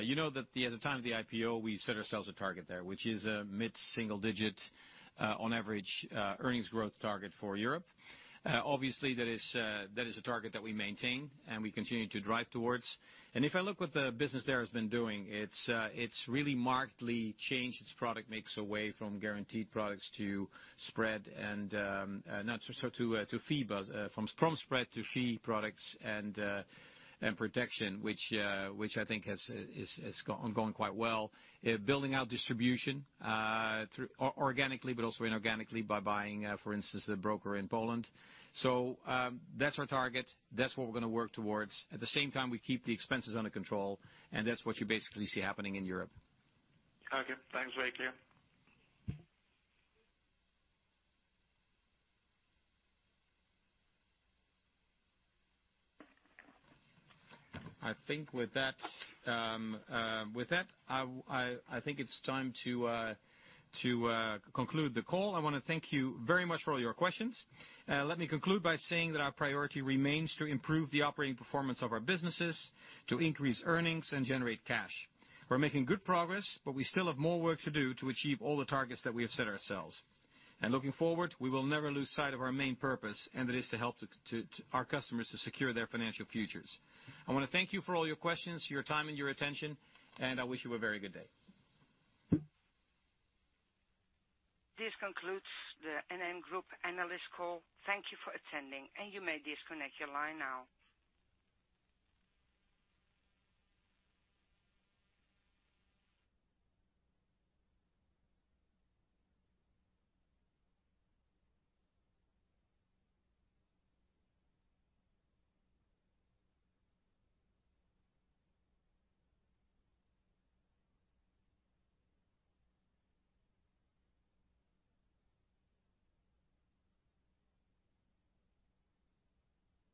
you know that at the time of the IPO, we set ourselves a target there, which is a mid-single digit, on average, earnings growth target for Europe. Obviously, that is a target that we maintain and we continue to drive towards. If I look what the business there has been doing, it's really markedly changed its product mix away from guaranteed products to spread, and not so to fee, but from spread to fee products and protection, which I think has gone quite well. Building out distribution organically but also inorganically by buying, for instance, the broker in Poland. That's our target. That's what we're going to work towards. At the same time, we keep the expenses under control, and that's what you basically see happening in Europe. Okay. Thanks. Take care. I think with that, it's time to conclude the call. I want to thank you very much for all your questions. Let me conclude by saying that our priority remains to improve the operating performance of our businesses, to increase earnings, and generate cash. We're making good progress, but we still have more work to do to achieve all the targets that we have set ourselves. Looking forward, we will never lose sight of our main purpose, and it is to help our customers to secure their financial futures. I want to thank you for all your questions, your time, and your attention, and I wish you a very good day. This concludes the NN Group analyst call. Thank you for attending, and you may disconnect your line now.